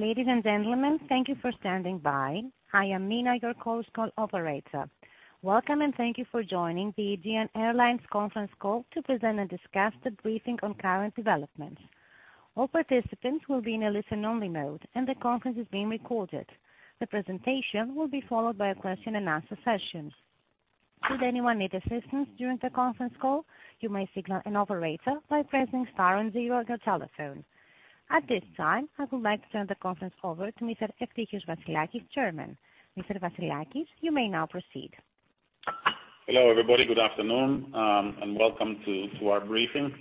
Ladies and gentlemen, thank you for standing by. I am Mina, your call operator. Welcome, and thank you for joining the Aegean Airlines conference call to present and discuss the briefing on current developments. All participants will be in a listen-only mode, and the conference is being recorded. The presentation will be followed by a question and answer session. Should anyone need assistance during the conference call, you may signal an operator by pressing star and zero on your telephone. At this time, I would like to turn the conference over to Mr. Eftichios Vassilakis, Chairman. Mr. Vassilakis, you may now proceed. Hello, everybody. Good afternoon, and welcome to our briefing.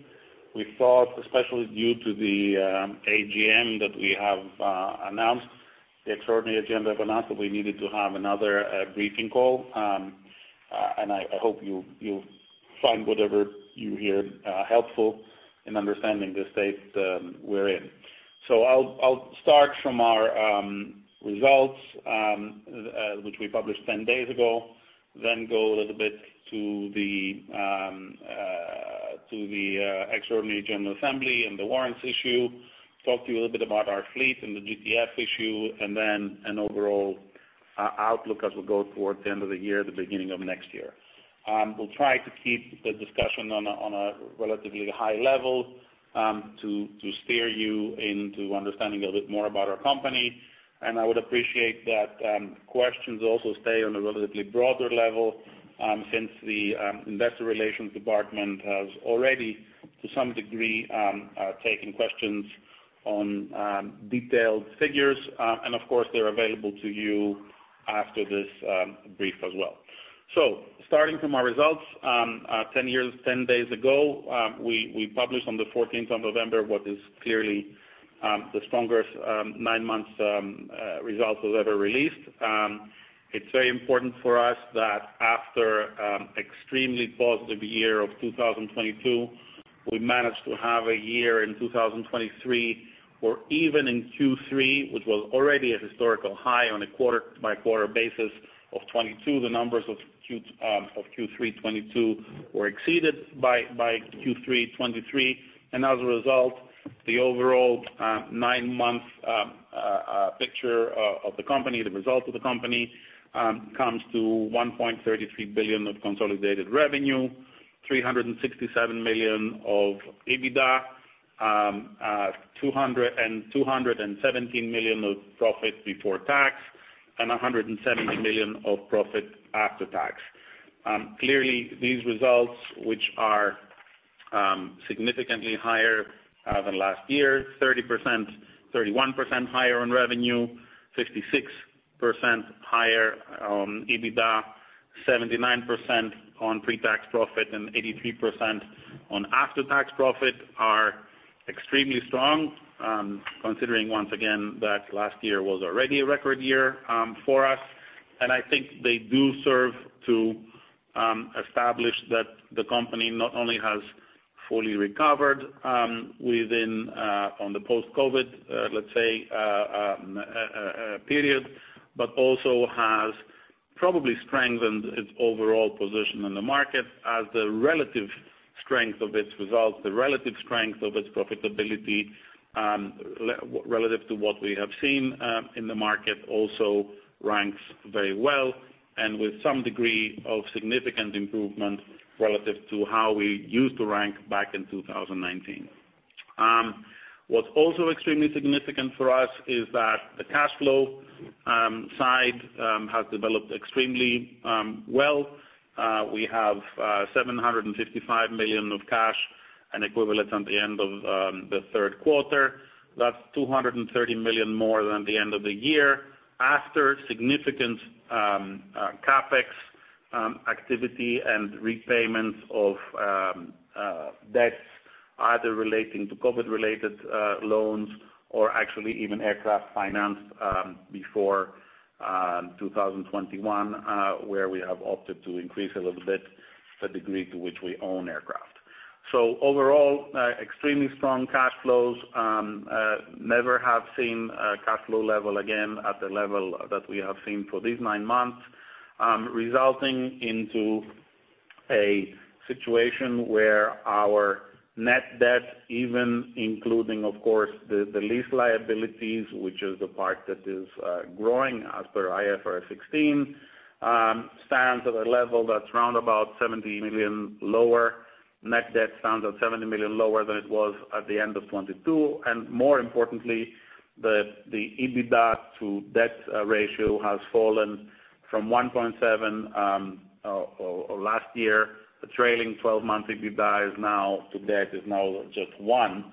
We thought, especially due to the AGM, that we have announced the extraordinary agenda I've announced, that we needed to have another briefing call. I hope you'll find whatever you hear helpful in understanding the state we're in. So I'll start from our results, which we published 10 days ago. Then go a little bit to the extraordinary general assembly and the warrants issue. Talk to you a little bit about our fleet and the GTF issue, and then an overall outlook as we go toward the end of the year, the beginning of next year. We'll try to keep the discussion on a relatively high level, to steer you into understanding a little bit more about our company. And I would appreciate that, questions also stay on a relatively broader level, since the investor relations department has already, to some degree, taken questions on detailed figures. And of course, they're available to you after this brief as well. So starting from our results, 10 days ago, we published on the fourteenth of November, what is clearly the strongest nine months results we've ever released. It's very important for us that after, extremely positive year of 2022, we managed to have a year in 2023, or even in Q3, which was already a historical high on a quarter-by-quarter basis of 2022. The numbers of Q3 2022 were exceeded by Q3 2023. And as a result, the overall, nine-month picture of the company, the results of the company, comes to 1.33 billion of consolidated revenue, 367 million of EBITDA, two hundred and seventeen million of profit before tax, and 170 million of profit after tax. Clearly, these results, which are significantly higher than last year, 30%, 31% higher on revenue, 56% higher on EBITDA, 79% on pre-tax profit, and 83% on after-tax profit, are extremely strong. Considering once again, that last year was already a record year for us. And I think they do serve to establish that the company not only has fully recovered on the post-COVID, let's say, period, but also has probably strengthened its overall position in the market as the relative strength of its results, the relative strength of its profitability, relative to what we have seen in the market, also ranks very well and with some degree of significant improvement relative to how we used to rank back in 2019. What's also extremely significant for us is that the cash flow side has developed extremely well. We have 755 million of cash and equivalents at the end of the third quarter. That's 230 million more than the end of the year, after significant CapEx activity and repayments of debts, either relating to COVID-related loans or actually even aircraft financed before 2021, where we have opted to increase a little bit the degree to which we own aircraft. So overall, extremely strong cash flows. Never have seen a cash flow level again at the level that we have seen for these 9 months. Resulting into a situation where our net debt, even including, of course, the lease liabilities, which is the part that is growing as per IFRS 16, stands at a level that's around about 70 million lower. Net debt stands at 70 million lower than it was at the end of 2022. And more importantly, the EBITDA to debt ratio has fallen from 1.7 last year. The trailing 12-month EBITDA to debt is now just 1,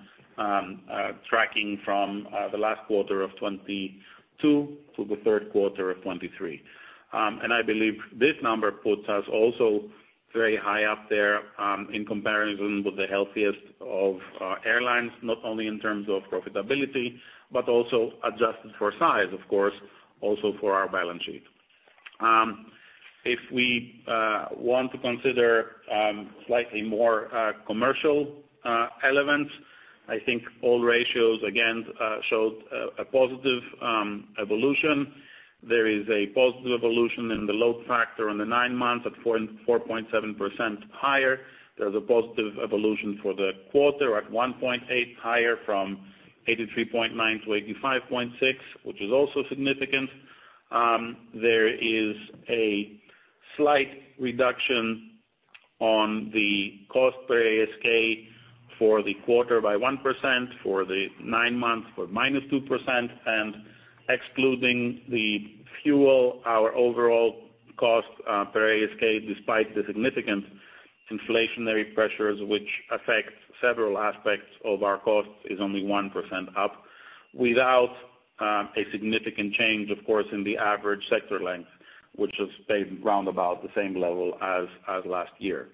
tracking from the last quarter of 2022 to the third quarter of 2023. And I believe this number puts us also very high up there in comparison with the healthiest of airlines, not only in terms of profitability, but also adjusted for size, of course, also for our balance sheet. If we want to consider slightly more commercial elements, I think all ratios, again, showed a positive evolution. There is a positive evolution in the load factor in the nine months at 4.7% higher. There's a positive evolution for the quarter at 1.8% higher from 83.9% to 85.6%, which is also significant. There is a slight reduction on the cost per ASK for the quarter by 1%, for the nine months -2%, and excluding the fuel, our overall cost per ASK, despite the significant inflationary pressures which affect several aspects of our costs, is only 1% up, without a significant change, of course, in the average sector length, which has stayed round about the same level as last year.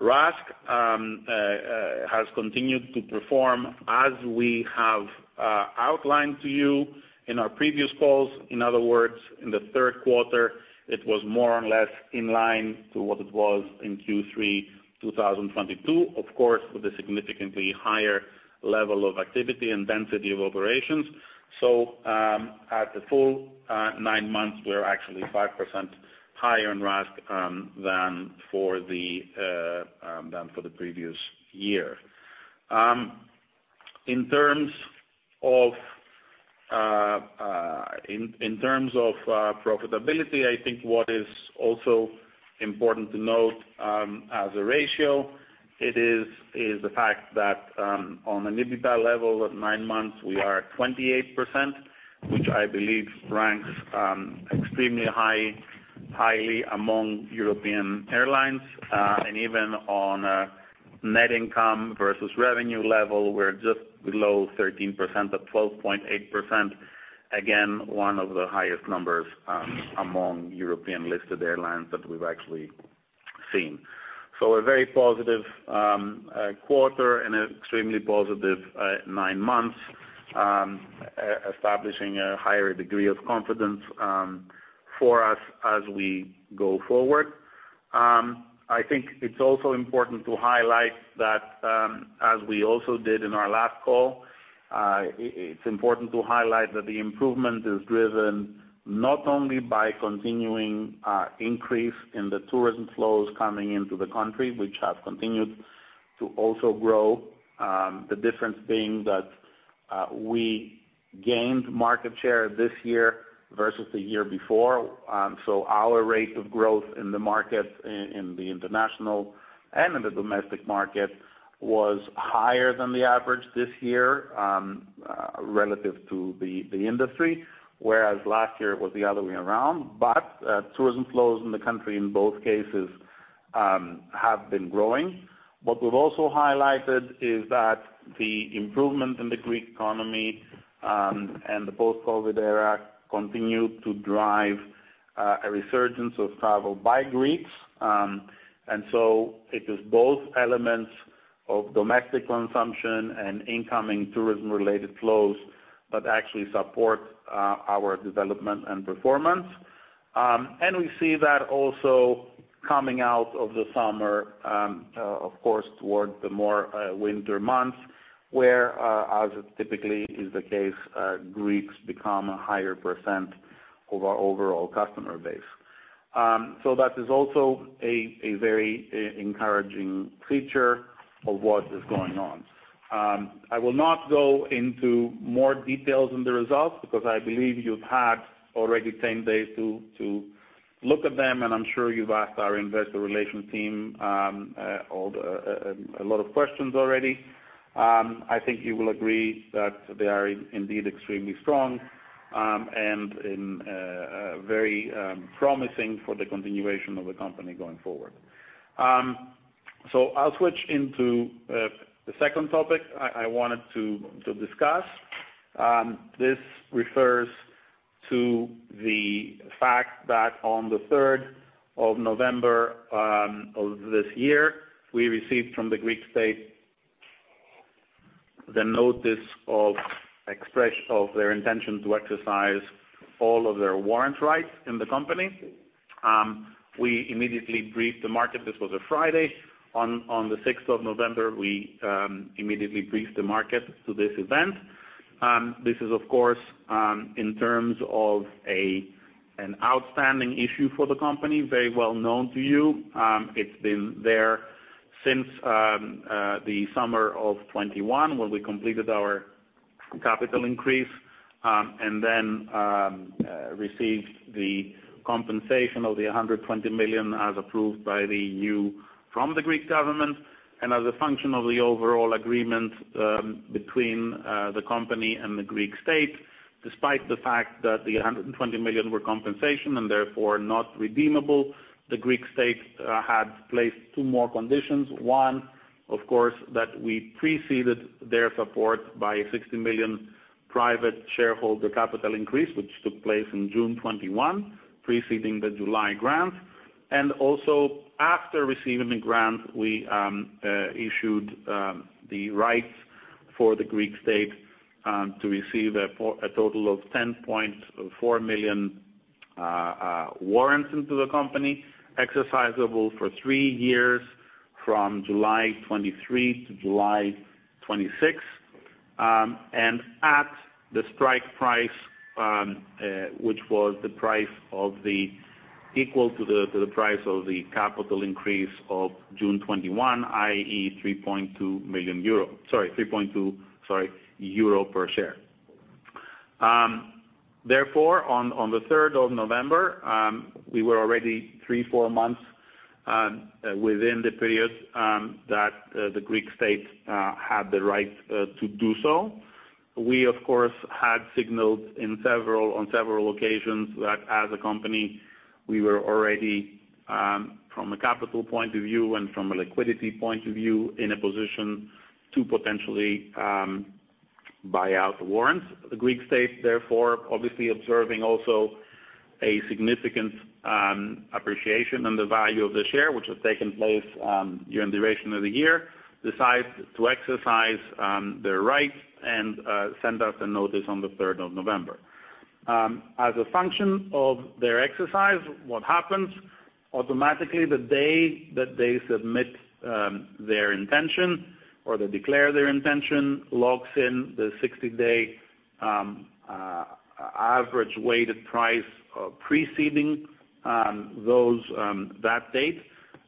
RASK has continued to perform as we have outlined to you in our previous calls. In other words, in the third quarter, it was more or less in line to what it was in Q3, 2022, of course, with a significantly higher level of activity and density of operations. So, at the full nine months, we are actually 5% higher in RASK than for the previous year. In terms of profitability, I think what is also important to note, as a ratio, it is the fact that, on an EBITDA level of nine months, we are at 28%, which I believe ranks extremely highly among European airlines. And even on a net income versus revenue level, we're just below 13% at 12.8%. Again, one of the highest numbers among European-listed airlines that we've actually seen. So a very positive quarter and extremely positive nine months establishing a higher degree of confidence for us as we go forward. I think it's also important to highlight that, as we also did in our last call, it's important to highlight that the improvement is driven not only by continuing increase in the tourism flows coming into the country, which have continued to also grow. The difference being that we gained market share this year versus the year before. So our rate of growth in the market, in the international and in the domestic market, was higher than the average this year, relative to the industry, whereas last year it was the other way around. But tourism flows in the country in both cases have been growing. What we've also highlighted is that the improvement in the Greek economy and the post-COVID era continue to drive a resurgence of travel by Greeks. And so it is both elements of domestic consumption and incoming tourism-related flows that actually support our development and performance. And we see that also coming out of the summer, of course, towards the more winter months, where, as is typically the case, Greeks become a higher percent of our overall customer base. So that is also a very encouraging feature of what is going on. I will not go into more details on the results, because I believe you've had already 10 days to look at them, and I'm sure you've asked our investor relations team a lot of questions already. I think you will agree that they are indeed extremely strong and very promising for the continuation of the company going forward. So I'll switch into the second topic I wanted to discuss. This refers to the fact that on the third of November of this year, we received from the Greek state the notice expressing their intention to exercise all of their warrant rights in the company. We immediately briefed the market. This was a Friday. On the sixth of November, we immediately briefed the market to this event. This is, of course, in terms of an outstanding issue for the company, very well known to you. It's been there since the summer of 2021, when we completed our capital increase, and then received the compensation of 120 million, as approved by the EU, from the Greek government. And as a function of the overall agreement, between the company and the Greek state, despite the fact that the 120 million were compensation and therefore not redeemable, the Greek state had placed two more conditions. One, of course, that we preceded their support by a 60 million private shareholder capital increase, which took place in June 2021, preceding the July grant. Also, after receiving the grant, we issued the rights for the Greek state to receive a total of 10.4 million warrants into the company, exercisable for three years from July 2023 to July 2026. And at the strike price, which was the price equal to the price of the capital increase of June 2021, i.e., 3.2 million euro, sorry, 3.2, sorry, euro per share. Therefore, on the third of November, we were already three, four months within the period that the Greek state had the right to do so. We, of course, had signaled in several, on several occasions that as a company, we were already, from a capital point of view and from a liquidity point of view, in a position to potentially, buy out the warrants. The Greek state, therefore, obviously observing also a significant, appreciation in the value of the share, which has taken place, during the duration of the year, decides to exercise, their rights and, send us a notice on the third of November. As a function of their exercise, what happens, automatically, the day that they submit, their intention or they declare their intention, locks in the 60-day average weighted price, preceding that date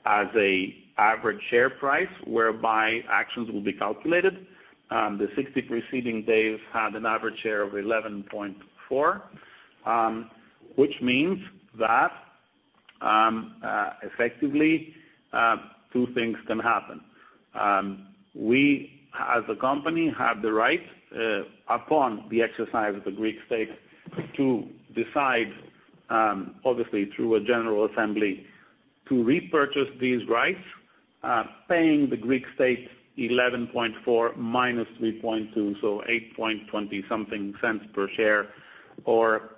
as a average share price, whereby actions will be calculated. The 60 preceding days had an average share of 11.4, which means that, effectively, two things can happen. We, as a company, have the right, upon the exercise of the Greek state, to decide, obviously through a general assembly, to repurchase these rights, paying the Greek state 11.4 minus 3.2, so 0.0820-something per share, or,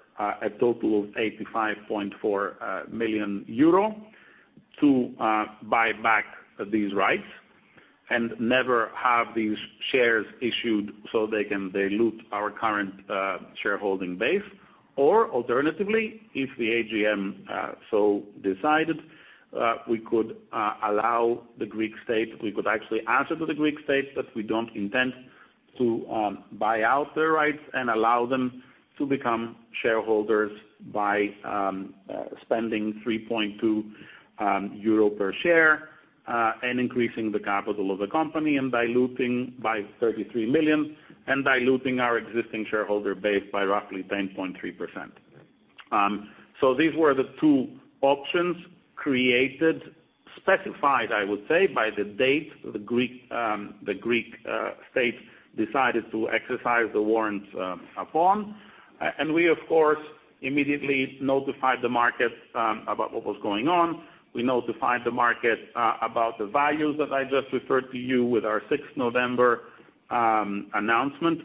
a total of 85.4 million euro to buy back these rights and never have these shares issued so they can dilute our current shareholding base. Or alternatively, if the AGM so decided, we could allow the Greek state; we could actually answer to the Greek state that we don't intend to buy out their rights and allow them to become shareholders by spending 3.2 euro per share and increasing the capital of the company, and by diluting by 33 million, and diluting our existing shareholder base by roughly 10.3%. So these were the two options created, specified, I would say, by the date the Greek state decided to exercise the warrants upon. And we, of course, immediately notified the market about what was going on. We notified the market about the values that I just referred to you with our sixth November announcement,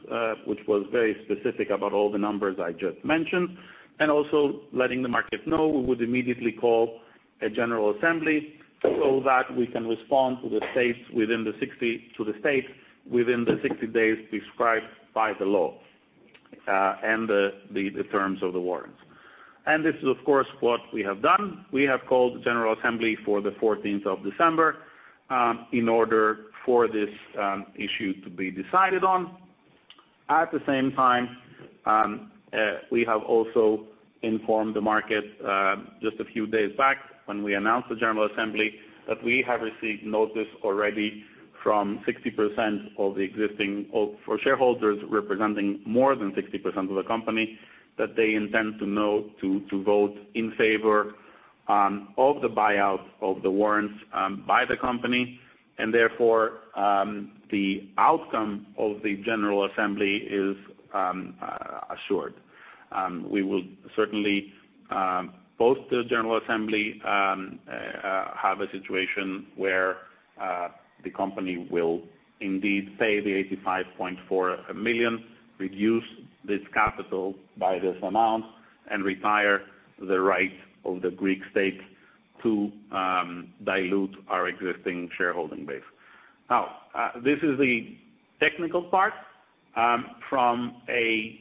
which was very specific about all the numbers I just mentioned, and also letting the market know we would immediately call a general assembly, so that we can respond to the state within the 60 days prescribed by the law, and the terms of the warrants. This is, of course, what we have done. We have called the general assembly for the fourteenth of December, in order for this issue to be decided on. At the same time, we have also informed the market, just a few days back, when we announced the general assembly, that we have received notice already from 60% of the existing, or for shareholders representing more than 60% of the company, that they intend to vote in favor of the buyout of the warrants by the company, and therefore, the outcome of the general assembly is assured. We will certainly, post the general assembly, have a situation where the company will indeed pay the 85.4 million, reduce this capital by this amount, and retire the right of the Greek state to dilute our existing shareholding base. Now, this is the technical part, from a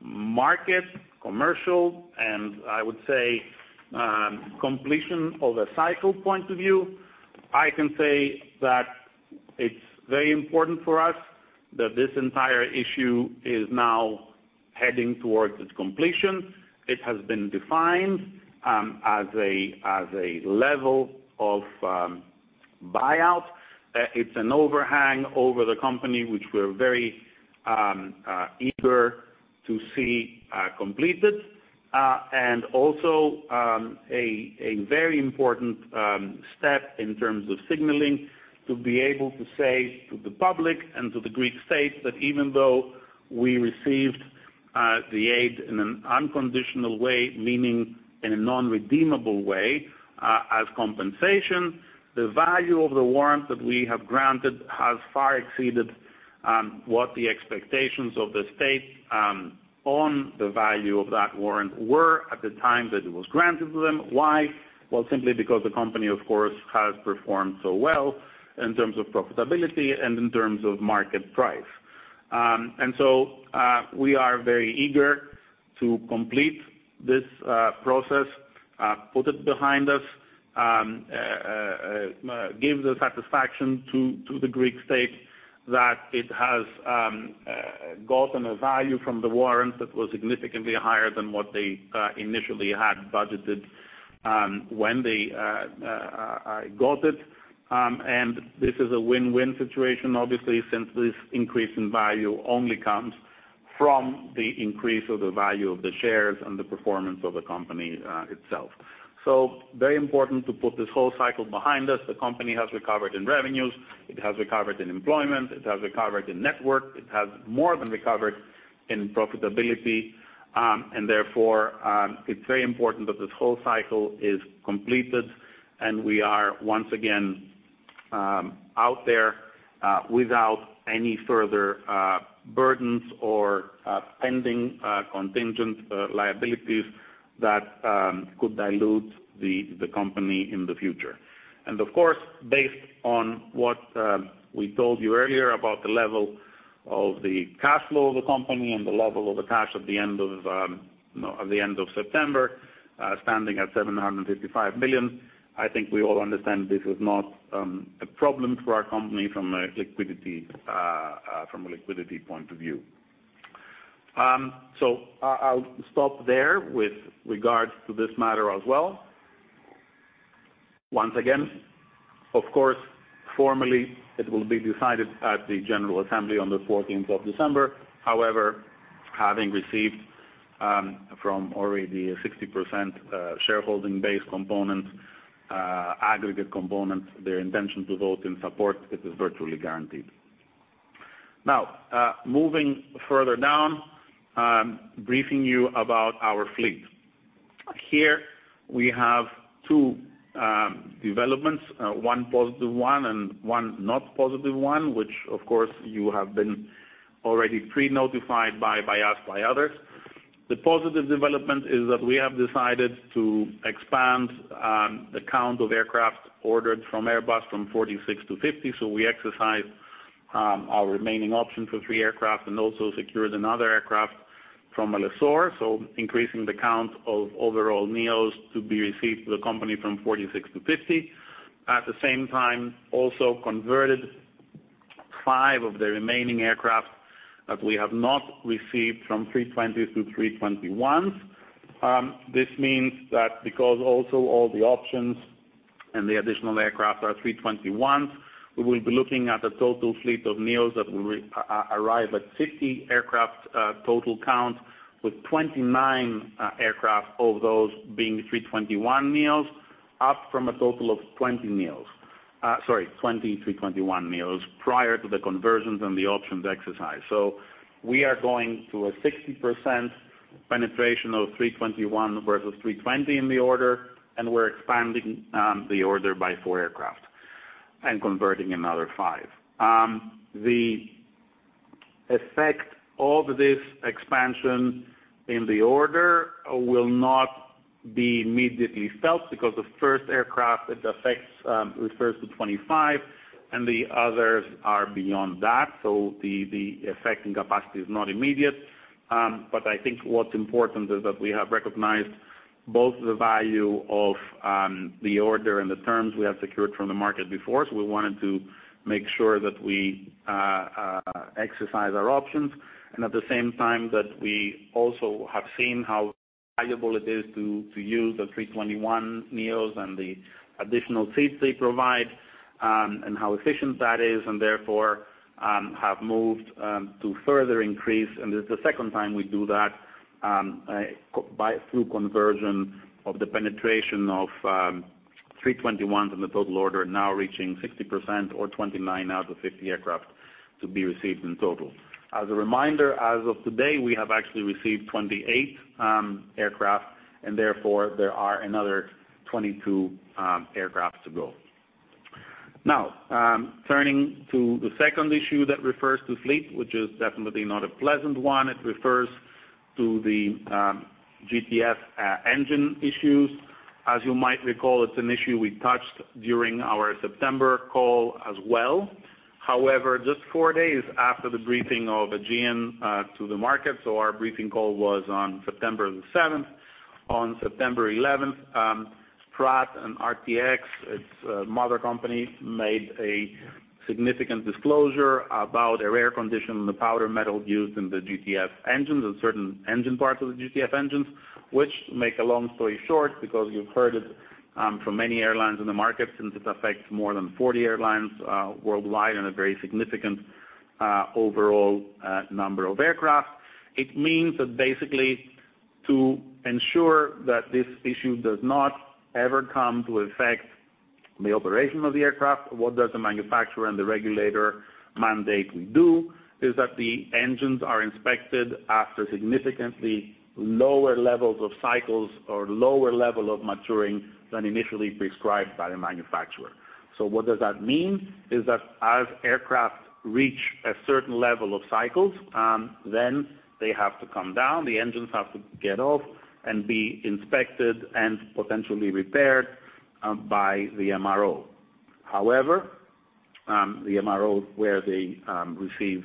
market, commercial, and I would say, completion of a cycle point of view. I can say that it's very important for us that this entire issue is now heading towards its completion. It has been defined as a level of buyout. It's an overhang over the company, which we're very eager to see completed. And also, a very important step in terms of signaling, to be able to say to the public and to the Greek state, that even though we received the aid in an unconditional way, meaning in a non-redeemable way, as compensation, the value of the warrant that we have granted has far exceeded what the expectations of the state on the value of that warrant were at the time that it was granted to them. Why? Well, simply because the company, of course, has performed so well in terms of profitability and in terms of market price.... And so, we are very eager to complete this process, put it behind us, give the satisfaction to the Greek state that it has gotten a value from the warrants that was significantly higher than what they initially had budgeted when they got it. And this is a win-win situation, obviously, since this increase in value only comes from the increase of the value of the shares and the performance of the company itself. So very important to put this whole cycle behind us. The company has recovered in revenues, it has recovered in employment, it has recovered in network, it has more than recovered in profitability. And therefore, it's very important that this whole cycle is completed, and we are once again out there without any further burdens or pending contingent liabilities that could dilute the company in the future. And of course, based on what we told you earlier about the level of the cash flow of the company and the level of the cash at the end of September standing at 755 million, I think we all understand this is not a problem for our company from a liquidity point of view. So I'll stop there with regards to this matter as well. Once again, of course, formally, it will be decided at the general assembly on the fourteenth of December. However, having received from already a 60% shareholding base component, aggregate component, their intention to vote in support, it is virtually guaranteed. Now, moving further down, briefing you about our fleet. Here, we have two developments, one positive one and one not positive one, which of course you have been already pre-notified by us, by others. The positive development is that we have decided to expand the count of aircraft ordered from Airbus from 46 to 50. So we exercised our remaining options for three aircraft and also secured another aircraft from a lessor, so increasing the count of overall neos to be received to the company from 46 to 50. At the same time, also converted five of the remaining aircraft that we have not received from A320 to A321s. This means that because also all the options and the additional aircraft are 321s, we will be looking at a total fleet of neos that will arrive at 50 aircraft, total count, with 29 aircraft of those being 321 neos, up from a total of 20 neos. Sorry, 23 321 neos, prior to the conversions and the options exercised. So we are going to a 60% penetration of 321 versus 320 in the order, and we're expanding the order by 4 aircraft and converting another 5. The effect of this expansion in the order will not be immediately felt because the first aircraft it affects refers to 25, and the others are beyond that. So the effect in capacity is not immediate. But I think what's important is that we have recognized both the value of the order and the terms we have secured from the market before. So we wanted to make sure that we exercise our options, and at the same time, that we also have seen how valuable it is to use the A321neos and the additional seats they provide, and how efficient that is, and therefore, have moved to further increase. And this is the second time we do that, by conversion of the penetration of A321s in the total order, now reaching 60% or 29 out of 50 aircraft to be received in total. As a reminder, as of today, we have actually received 28 aircraft, and therefore, there are another 22 aircraft to go. Now, turning to the second issue that refers to fleet, which is definitely not a pleasant one. It refers to the GTF engine issues. As you might recall, it's an issue we touched during our September call as well. However, just 4 days after the briefing of Aegean to the market, so our briefing call was on September 7. On September 11, Pratt and RTX, its mother company, made a significant disclosure about a rare condition in the powder metal used in the GTF engines and certain engine parts of the GTF engines, which make a long story short, because you've heard it from many airlines in the market, since this affects more than 40 airlines worldwide and a very significant overall number of aircraft. It means that basically, to ensure that this issue does not ever come to affect the operation of the aircraft, what does the manufacturer and the regulator mandate we do? Is that the engines are inspected after significantly lower levels of cycles or lower level of maturing than initially prescribed by the manufacturer. So what does that mean? Is that as aircraft reach a certain level of cycles, then they have to come down, the engines have to get off and be inspected and potentially repaired by the MRO. However, the MRO where they receive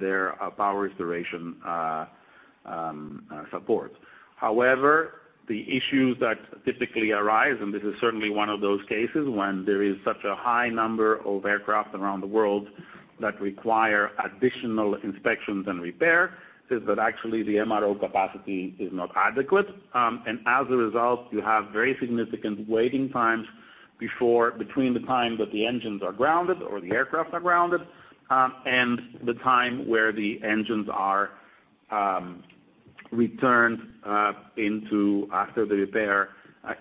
their power restoration support. However, the issues that typically arise, and this is certainly one of those cases, when there is such a high number of aircraft around the world that require additional inspections and repair, is that actually the MRO capacity is not adequate. And as a result, you have very significant waiting times between the time that the engines are grounded or the aircraft are grounded, and the time where the engines are returned into use after the repair. At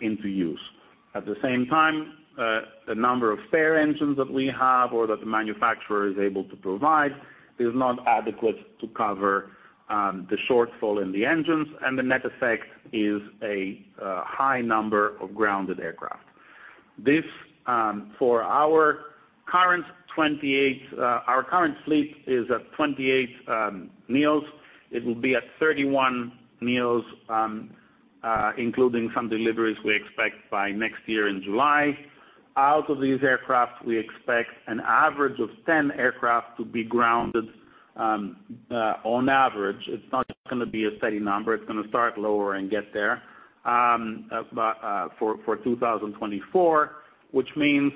the same time, the number of spare engines that we have or that the manufacturer is able to provide is not adequate to cover the shortfall in the engines, and the net effect is a high number of grounded aircraft. This for our current 28, our current fleet is at 28 neos. It will be at 31 neos, including some deliveries we expect by next year in July. Out of these aircraft, we expect an average of 10 aircraft to be grounded on average. It's not just going to be a steady number. It's going to start lower and get there. But for 2024, which means,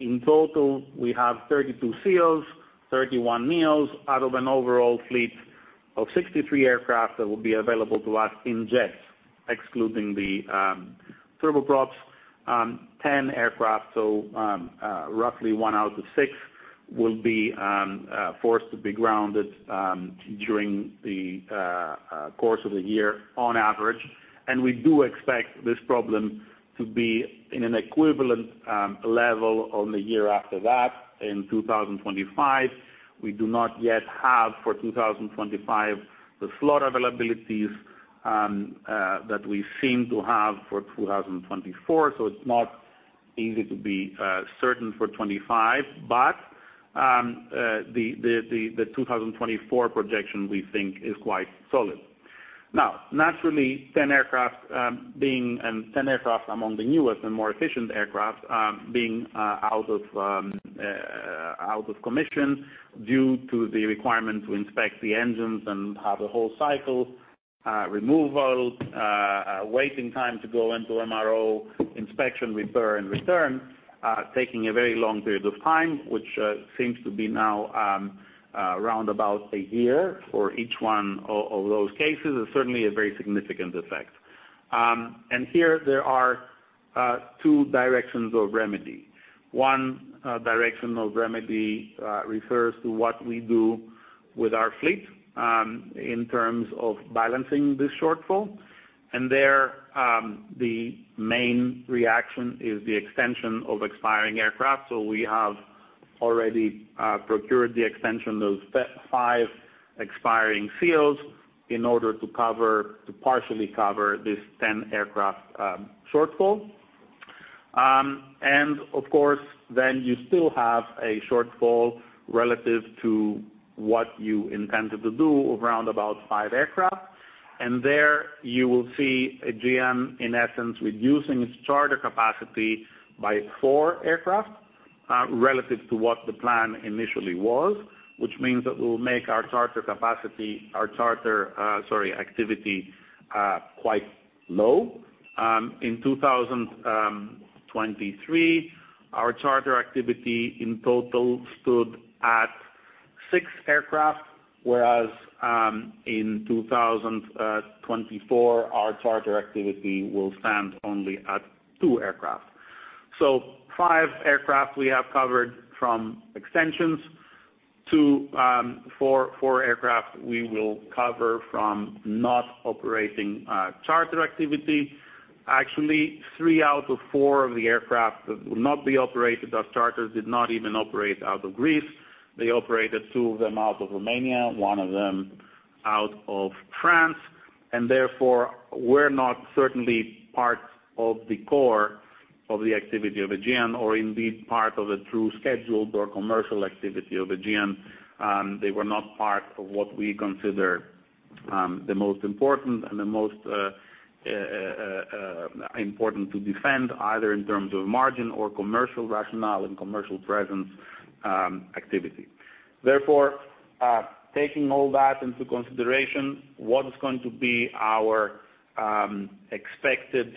in total, we have 32 A320s, 31 neos, out of an overall fleet of 63 aircraft that will be available to us in jets, excluding the turboprops. 10 aircraft, so roughly one out of six will be forced to be grounded during the course of the year on average. And we do expect this problem to be in an equivalent level on the year after that, in 2025. We do not yet have, for 2025, the slot availabilities that we seem to have for 2024, so it's not easy to be certain for 25. But the 2024 projection, we think is quite solid. Now, naturally, 10 aircraft, and 10 aircraft among the newest and more efficient aircraft, being out of commission due to the requirement to inspect the engines and have the whole cycle, removal, waiting time to go into MRO, inspection, repair and return, taking a very long period of time, which seems to be now round about a year for each one of those cases, is certainly a very significant effect. And here there are two directions of remedy. One direction of remedy refers to what we do with our fleet in terms of balancing this shortfall. And there, the main reaction is the extension of expiring aircraft. So we have already procured the extension of five expiring leases in order to cover, to partially cover this 10 aircraft shortfall. And of course, then you still have a shortfall relative to what you intended to do of around 5 aircraft. And there you will see Aegean, in essence, reducing its charter capacity by 4 aircraft relative to what the plan initially was. Which means that we'll make our charter capacity, our charter, sorry, activity quite low. In 2023, our charter activity in total stood at 6 aircraft, whereas in 2024, our charter activity will stand only at 2 aircraft. So 5 aircraft we have covered from extensions to 4 aircraft we will cover from not operating charter activity. Actually, three out of four of the aircraft that will not be operated as charters did not even operate out of Greece. They operated two of them out of Romania, one of them out of France, and therefore were not certainly part of the core of the activity of Aegean or indeed part of the true scheduled or commercial activity of Aegean. They were not part of what we consider the most important and the most important to defend, either in terms of margin or commercial rationale and commercial presence, activity. Therefore, taking all that into consideration, what is going to be our expected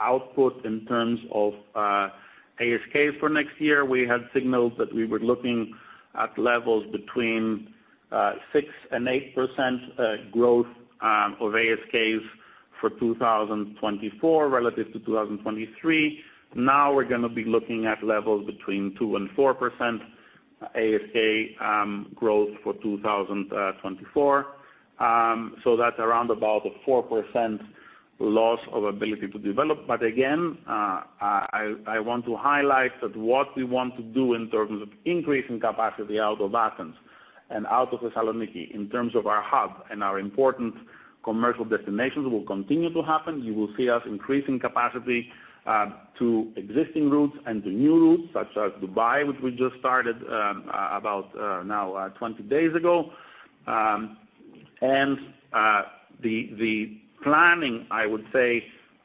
output in terms of ASK for next year? We had signaled that we were looking at levels between 6%-8% growth of ASKs for 2024 relative to 2023. Now we're going to be looking at levels between 2%-4% ASK growth for 2024. So that's around about a 4% loss of ability to develop. But again, I want to highlight that what we want to do in terms of increasing capacity out of Athens and out of Thessaloniki, in terms of our hub and our important commercial destinations, will continue to happen. You will see us increasing capacity to existing routes and to new routes, such as Dubai, which we just started about now 20 days ago. And, the planning, I would say,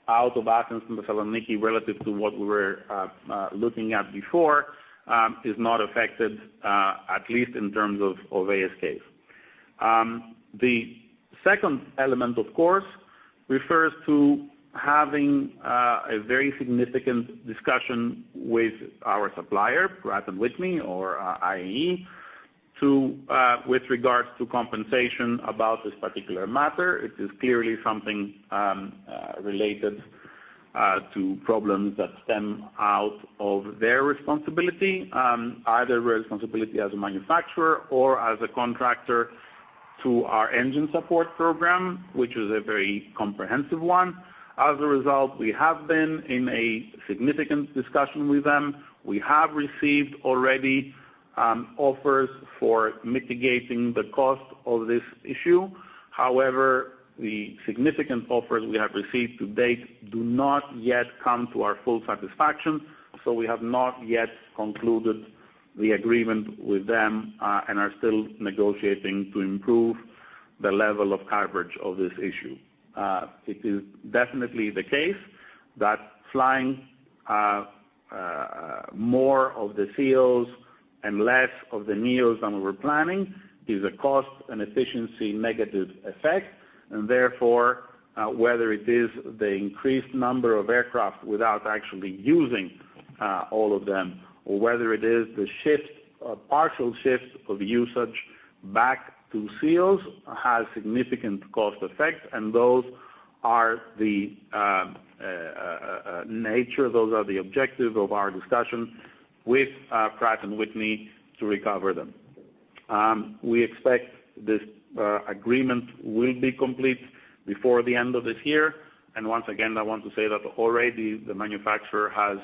out of Athens and Thessaloniki, relative to what we were looking at before, is not affected, at least in terms of ASK. The second element, of course, refers to having a very significant discussion with our supplier, Pratt & Whitney, or IAE, with regards to compensation about this particular matter. It is clearly something related to problems that stem out of their responsibility, either responsibility as a manufacturer or as a contractor to our engine support program, which is a very comprehensive one. As a result, we have been in a significant discussion with them. We have received already offers for mitigating the cost of this issue. However, the significant offers we have received to date do not yet come to our full satisfaction, so we have not yet concluded the agreement with them, and are still negotiating to improve the level of coverage of this issue. It is definitely the case that flying more of the ceos and less of the neos than we were planning is a cost and efficiency negative effect. And therefore, whether it is the increased number of aircraft without actually using all of them, or whether it is the shift, or partial shift of usage back to ceos, has significant cost effects, and those are the objective of our discussions with Pratt & Whitney to recover them. We expect this agreement will be complete before the end of this year. And once again, I want to say that already the manufacturer has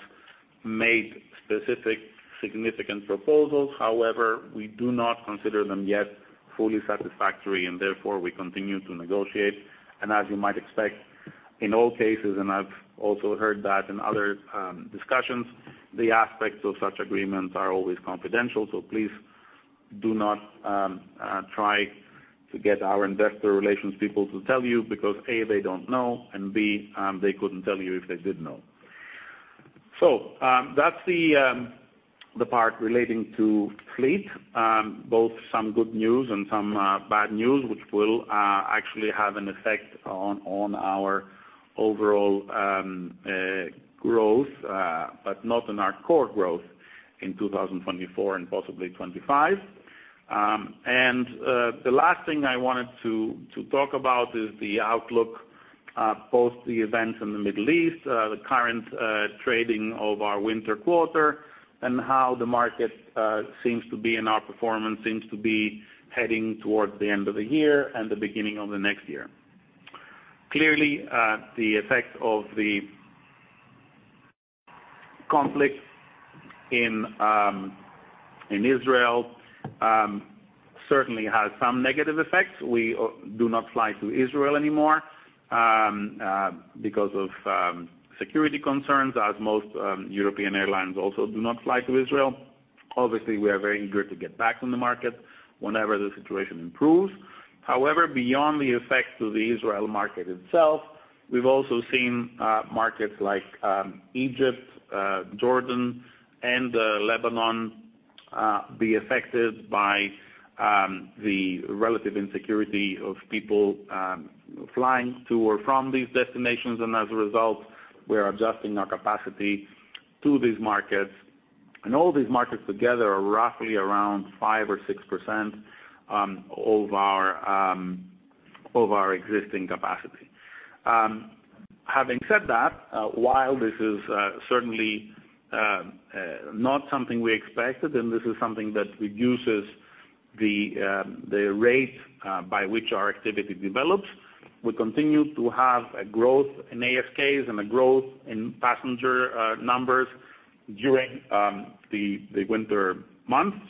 made specific, significant proposals. However, we do not consider them yet fully satisfactory, and therefore we continue to negotiate. And as you might expect, in all cases, and I've also heard that in other discussions, the aspects of such agreements are always confidential. So please do not try to get our investor relations people to tell you, because, A, they don't know, and B, they couldn't tell you if they did know. So, that's the part relating to fleet, both some good news and some bad news, which will actually have an effect on our overall growth, but not on our core growth in 2024 and possibly 2025. And the last thing I wanted to talk about is the outlook post the events in the Middle East, the current trading of our winter quarter, and how the market seems to be, and our performance seems to be heading towards the end of the year and the beginning of the next year. Clearly, the effect of the conflict in Israel certainly has some negative effects. We do not fly to Israel anymore because of security concerns, as most European airlines also do not fly to Israel. Obviously, we are very eager to get back on the market whenever the situation improves. However, beyond the effects to the Israel market itself, we've also seen markets like Egypt, Jordan, and Lebanon be affected by the relative insecurity of people flying to or from these destinations. And as a result, we are adjusting our capacity to these markets. And all these markets together are roughly around 5% or 6% of our existing capacity. Having said that, while this is certainly not something we expected, and this is something that reduces the rate by which our activity develops, we continue to have a growth in ASKs and a growth in passenger numbers during the winter months.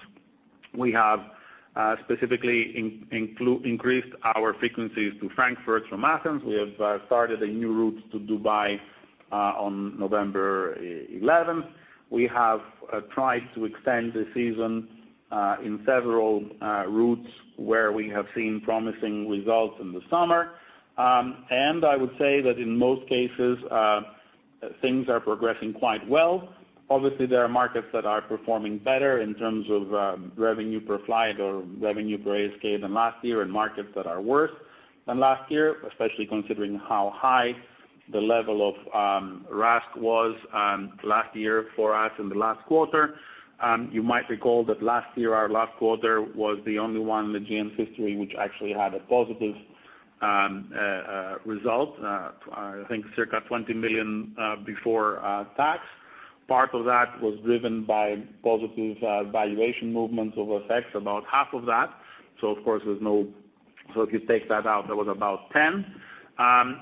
We have specifically increased our frequencies to Frankfurt from Athens. We have started a new route to Dubai on November eleventh. We have tried to extend the season in several routes where we have seen promising results in the summer. And I would say that in most cases things are progressing quite well. Obviously, there are markets that are performing better in terms of revenue per flight or revenue per ASK than last year, and markets that are worse than last year, especially considering how high the level of RASK was last year for us in the last quarter. You might recall that last year, our last quarter was the only one in Aegean's history, which actually had a positive result, I think circa 20 million before tax. Part of that was driven by positive valuation movements and FX effects, about half of that. So of course, if you take that out, there was about 10.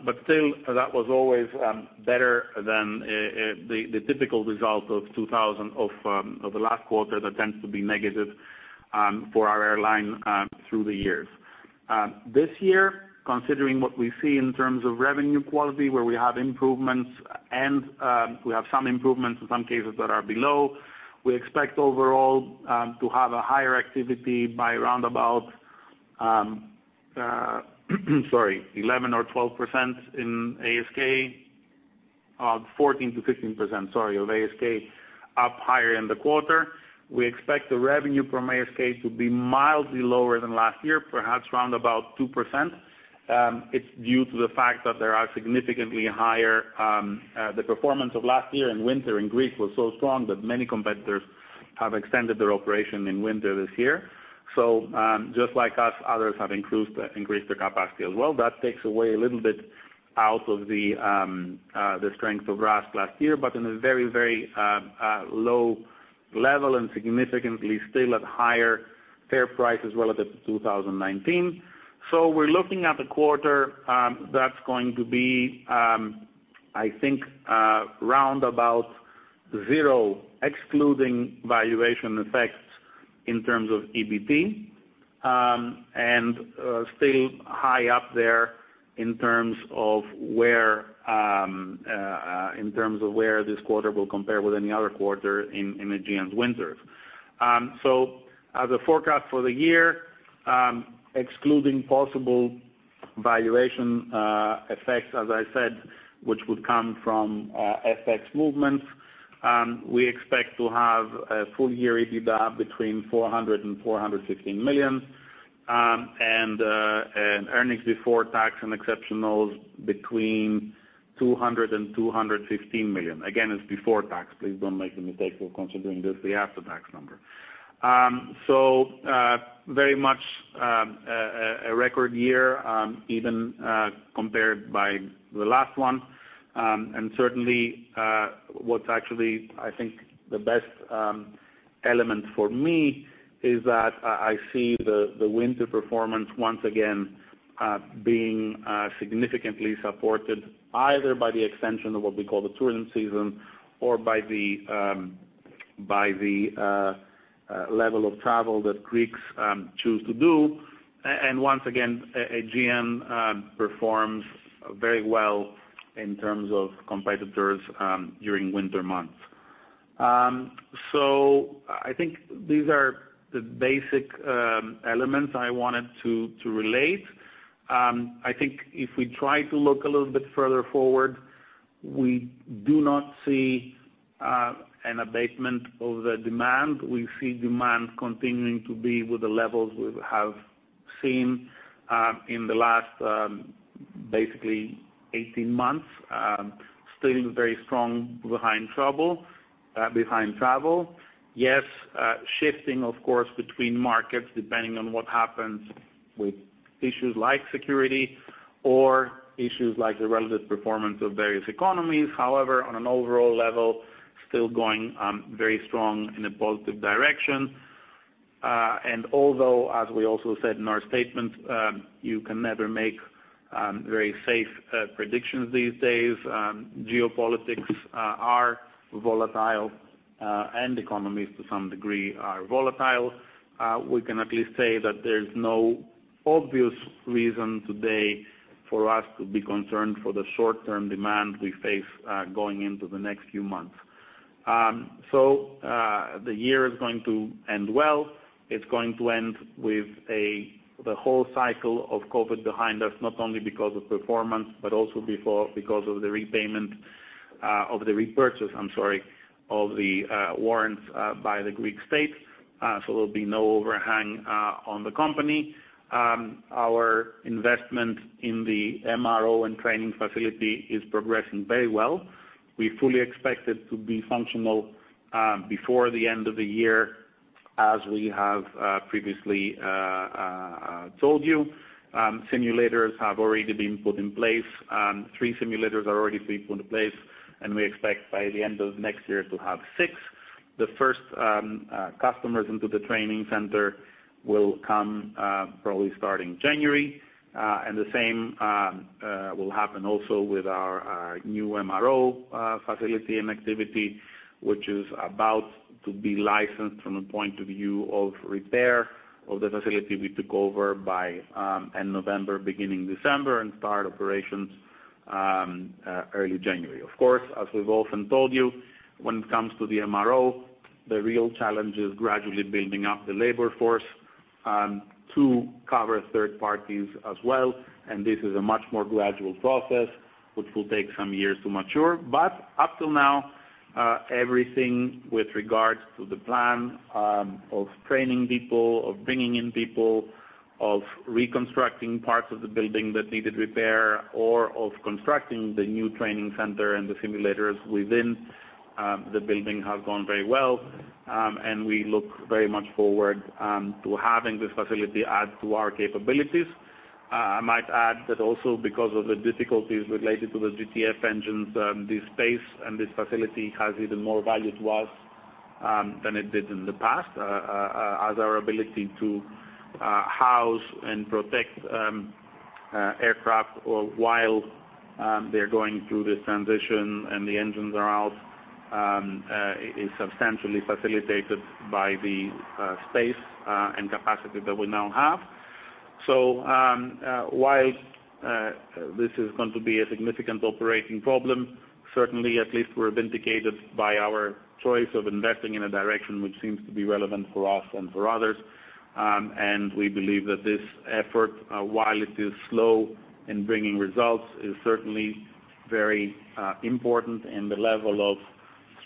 But still, that was always better than the typical result of 2,000, of the last quarter that tends to be negative, for our airline, through the years. This year, considering what we see in terms of revenue quality, where we have improvements and, we have some improvements in some cases that are below. We expect overall, to have a higher activity by around about, sorry, 11% or 12% in ASK. 14%-15%, sorry, of ASK, up higher in the quarter. We expect the revenue from ASK to be mildly lower than last year, perhaps around about 2%. It's due to the fact that there are significantly higher, the performance of last year in winter in Greece was so strong that many competitors have extended their operation in winter this year. So, just like us, others have increased their capacity as well. That takes away a little bit out of the strength of RASK last year, but in a very, very low level and significantly still at higher fare prices relative to 2019. So we're looking at a quarter that's going to be, I think, round about 0, excluding valuation effects in terms of EBT. And still high up there in terms of where this quarter will compare with any other quarter in Aegean's winter. So as a forecast for the year, excluding possible valuation effects, as I said, which would come from FX movements, we expect to have a full year EBITDA between 400 million and 415 million. Earnings before tax and exceptionals between 200 million and 215 million. Again, it's before tax. Please don't make the mistake of considering this the after tax number. So very much a record year, even compared by the last one. And certainly, what's actually, I think, the best element for me is that I see the winter performance once again being significantly supported, either by the extension of what we call the tourism season, or by the level of travel that Greeks choose to do. And once again, Aegean performs very well in terms of competitors during winter months. So I think these are the basic elements I wanted to relate. I think if we try to look a little bit further forward, we do not see an abatement of the demand. We see demand continuing to be with the levels we have seen in the last basically 18 months. Still very strong behind travel, behind travel. Yes, shifting, of course, between markets, depending on what happens with issues like security or issues like the relative performance of various economies. However, on an overall level, still going very strong in a positive direction. And although, as we also said in our statement, you can never make very safe predictions these days. Geopolitics are volatile, and economies to some degree are volatile. We can at least say that there's no obvious reason today for us to be concerned for the short-term demand we face, going into the next few months. So, the year is going to end well. It's going to end with a... The whole cycle of COVID behind us, not only because of performance, but also because of the repayment of the repurchase, I'm sorry, of the warrants by the Greek state. So there'll be no overhang on the company. Our investment in the MRO and training facility is progressing very well. We fully expect it to be functional before the end of the year, as we have previously told you. Simulators have already been put in place. Three simulators are already put into place, and we expect by the end of next year to have six. The first customers into the training center will come probably starting January. And the same will happen also with our new MRO facility and activity, which is about to be licensed from a point of view of repair of the facility we took over by end November, beginning December, and start operations early January. Of course, as we've often told you, when it comes to the MRO, the real challenge is gradually building up the labor force to cover third parties as well, and this is a much more gradual process, which will take some years to mature. But up till now, everything with regards to the plan of training people, of bringing in people, of reconstructing parts of the building that needed repair, or of constructing the new training center and the simulators within the building have gone very well. We look very much forward to having this facility add to our capabilities. I might add that also because of the difficulties related to the GTF engines, this space and this facility has even more value to us than it did in the past, as our ability to house and protect aircraft or while they're going through this transition and the engines are out is substantially facilitated by the space and capacity that we now have. So, while this is going to be a significant operating problem, certainly at least we're vindicated by our choice of investing in a direction which seems to be relevant for us and for others. And we believe that this effort, while it is slow in bringing results, is certainly very important in the level of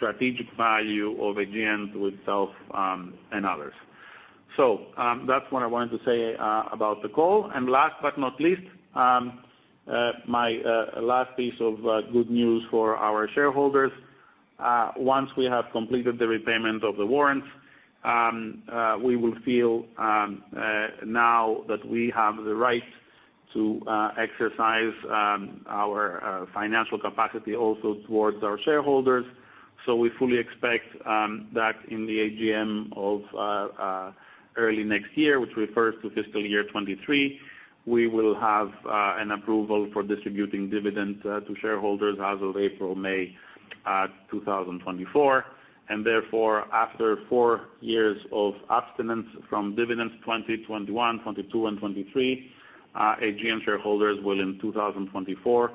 strategic value of Aegean to itself, and others. So, that's what I wanted to say about the call. And last but not least, my last piece of good news for our shareholders. Once we have completed the repayment of the warrants, we will feel now that we have the right to exercise our financial capacity also towards our shareholders. So we fully expect that in the AGM of early next year, which refers to fiscal year 2023, we will have an approval for distributing dividends to shareholders as of April, May 2024. Therefore, after four years of abstinence from dividends, 2021, 2022 and 2023, AGM shareholders will, in 2024,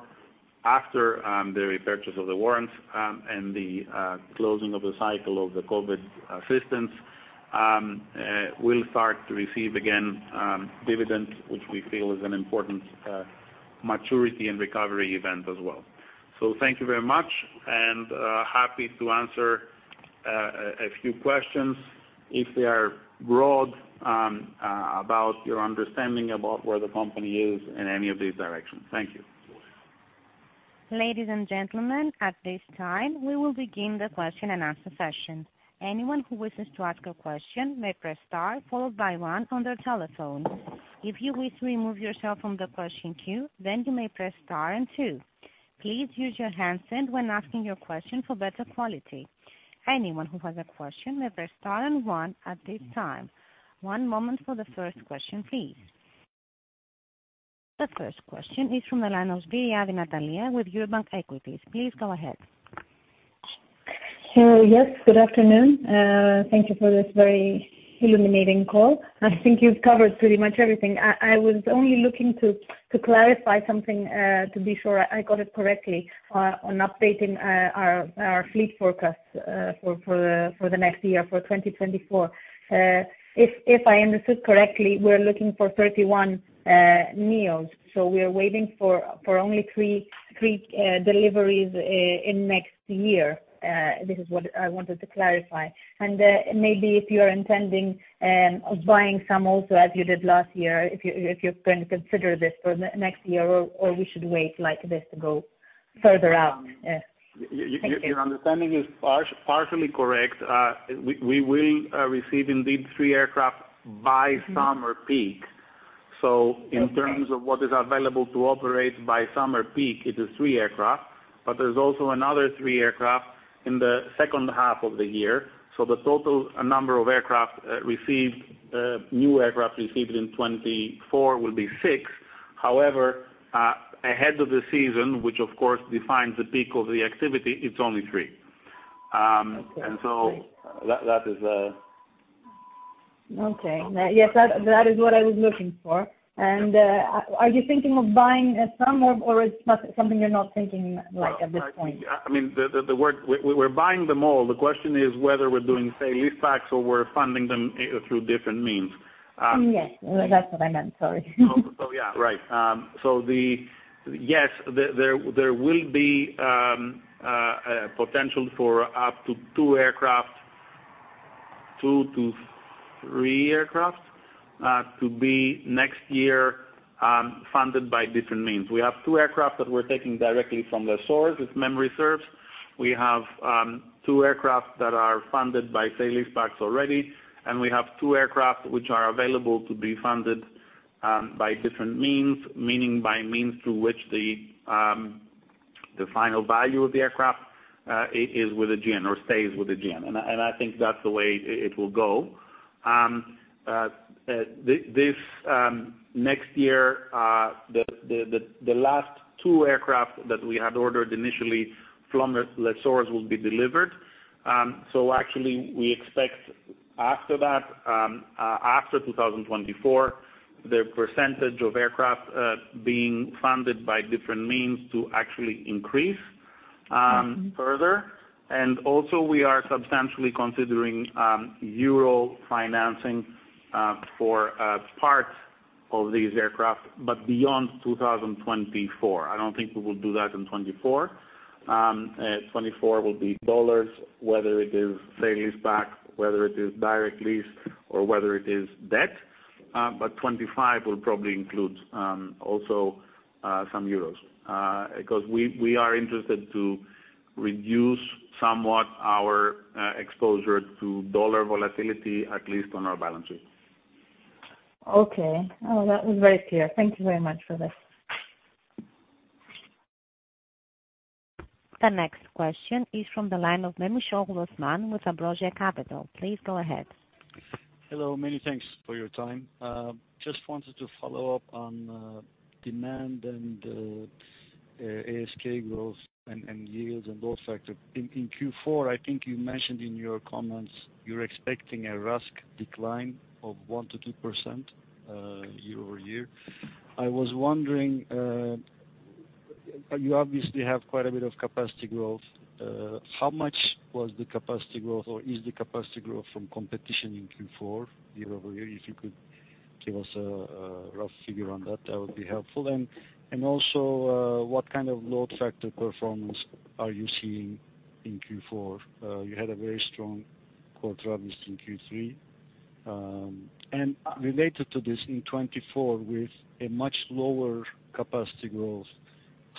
after the repurchase of the warrants and the closing of the cycle of the COVID assistance, will start to receive again dividends, which we feel is an important maturity and recovery event as well. So thank you very much, and happy to answer a few questions if they are broad about your understanding about where the company is in any of these directions. Thank you. Ladies and gentlemen, at this time, we will begin the question-and-answer session. Anyone who wishes to ask a question may press star, followed by one on their telephone. If you wish to remove yourself from the question queue, then you may press star and two. Please use your handset when asking your question for better quality. Anyone who has a question may press star and one at this time. One moment for the first question, please. The first question is from the line of Natalia Svyriadi with Eurobank Equities. Please go ahead. So, yes, good afternoon. Thank you for this very illuminating call. I think you've covered pretty much everything. I was only looking to clarify something, to be sure I got it correctly, on updating our fleet forecast for the next year, for 2024. If I understood correctly, we're looking for 31 neos. So we are waiting for only three deliveries in next year. This is what I wanted to clarify. And maybe if you are intending of buying some also, as you did last year, if you're going to consider this for next year or we should wait like this to go further out? Thank you. Your understanding is partially correct. We will receive indeed 3 aircraft by summer peak. Mm-hmm. Okay. So in terms of what is available to operate by summer peak, it is three aircraft, but there's also another three aircraft in the second half of the year. So the total number of aircraft, received, new aircraft received in 2024 will be six. However, ahead of the season, which of course defines the peak of the activity, it's only three. And so- Okay. -that, that is. Okay. Yes, that, that is what I was looking for. Yeah. And, are you thinking of buying some, or, or it's not something you're not thinking, like, at this point? Well, I mean, we're buying them all. The question is whether we're doing sale lease backs or we're funding them through different means. Yes, that's what I meant. Sorry. Yes, there will be a potential for up to 2 aircraft, 2-3 aircraft, to be next year, funded by different means. We have 2 aircraft that we're taking directly from the source, if memory serves. We have 2 aircraft that are funded by sale lease backs already, and we have 2 aircraft which are available to be funded by different means, meaning by means through which the final value of the aircraft is with Aegean or stays with Aegean. And I think that's the way it will go. Next year, the last 2 aircraft that we had ordered initially from lessors will be delivered. So actually we expect after that, after 2024, the percentage of aircraft being funded by different means to actually increase further. Mm-hmm. Also, we are substantially considering EUR financing for part of these aircraft, but beyond 2024. I don't think we will do that in 2024. 2024 will be $, whether it is sale lease back, whether it is direct lease, or whether it is debt. But 2025 will probably include also some EUR, because we, we are interested to reduce somewhat our exposure to dollar volatility, at least on our balance sheet. Okay. That was very clear. Thank you very much for this. The next question is from the line of Memisoglu Osman with Ambrosia Capital. Please go ahead. Hello, many thanks for your time. Just wanted to follow up on demand and ASK growth and yields and load factor. In Q4, I think you mentioned in your comments you're expecting a RASK decline of 1%-2% year-over-year. I was wondering, you obviously have quite a bit of capacity growth. How much was the capacity growth or is the capacity growth from competition in Q4 year-over-year? If you could give us a rough figure on that, that would be helpful. Also, what kind of load factor performance are you seeing in Q4? You had a very strong quarter at least in Q3. And related to this, in 2024, with a much lower capacity growth,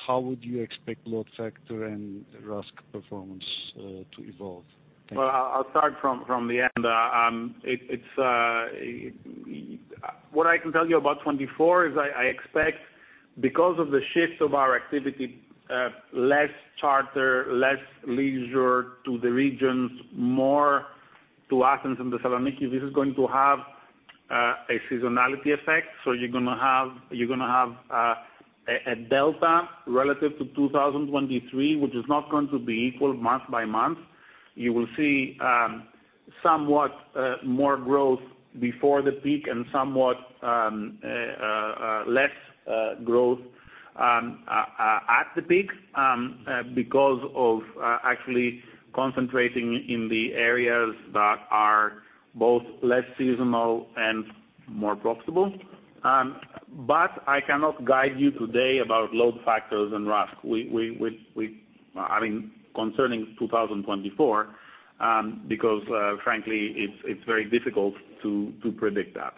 how would you expect load factor and RASK performance to evolve? Thank you. Well, I'll start from the end. What I can tell you about 2024 is I expect, because of the shifts of our activity, less charter, less leisure to the regions, more to Athens and Thessaloniki, this is going to have a seasonality effect. So you're gonna have a delta relative to 2023, which is not going to be equal month by month. You will see somewhat more growth before the peak and somewhat less growth at the peak, because of actually concentrating in the areas that are both less seasonal and more profitable. But I cannot guide you today about load factors and RASK. I mean, concerning 2024, because, frankly, it's very difficult to predict that.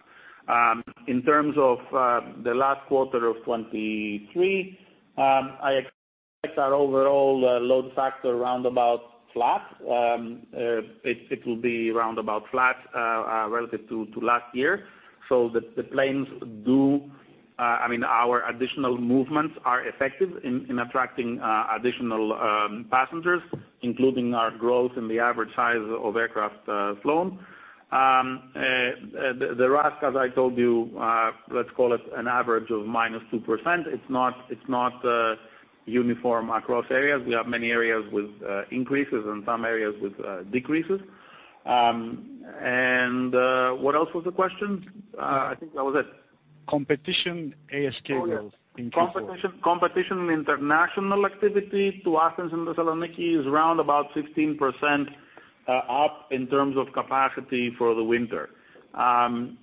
In terms of the last quarter of 2023, I expect our overall load factor around about flat. It will be around about flat relative to last year. So the planes do, I mean, our additional movements are effective in attracting additional passengers, including our growth in the average size of aircraft flown. The RASK, as I told you, let's call it an average of minus 2%. It's not uniform across areas. We have many areas with increases and some areas with decreases. And what else was the question? I think that was it. Competition ASK growth in Q4. Oh, yeah. Competition in international activity to Athens and Thessaloniki is around about 16% up in terms of capacity for the winter.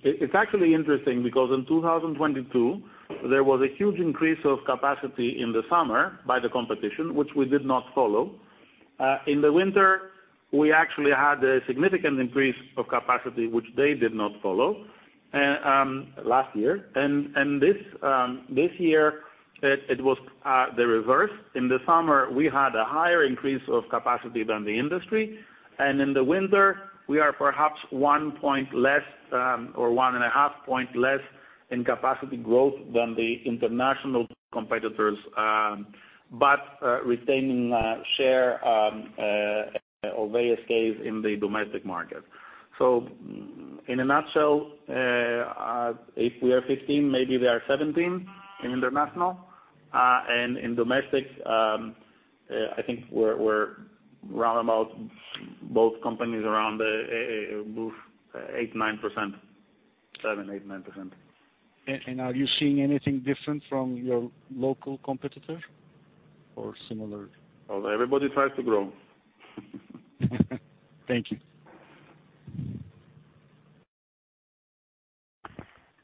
It's actually interesting because in 2022, there was a huge increase of capacity in the summer by the competition, which we did not follow. In the winter, we actually had a significant increase of capacity, which they did not follow last year. And this year, it was the reverse. In the summer, we had a higher increase of capacity than the industry, and in the winter, we are perhaps one point less or one and a half point less in capacity growth than the international competitors, but retaining share of ASK in the domestic market. So in a nutshell, if we are 15, maybe we are 17 in international. And in domestic, I think we're round about both companies around 8, 9%. 7, 8, 9%. And are you seeing anything different from your local competitor or similar? Well, everybody tries to grow. Thank you.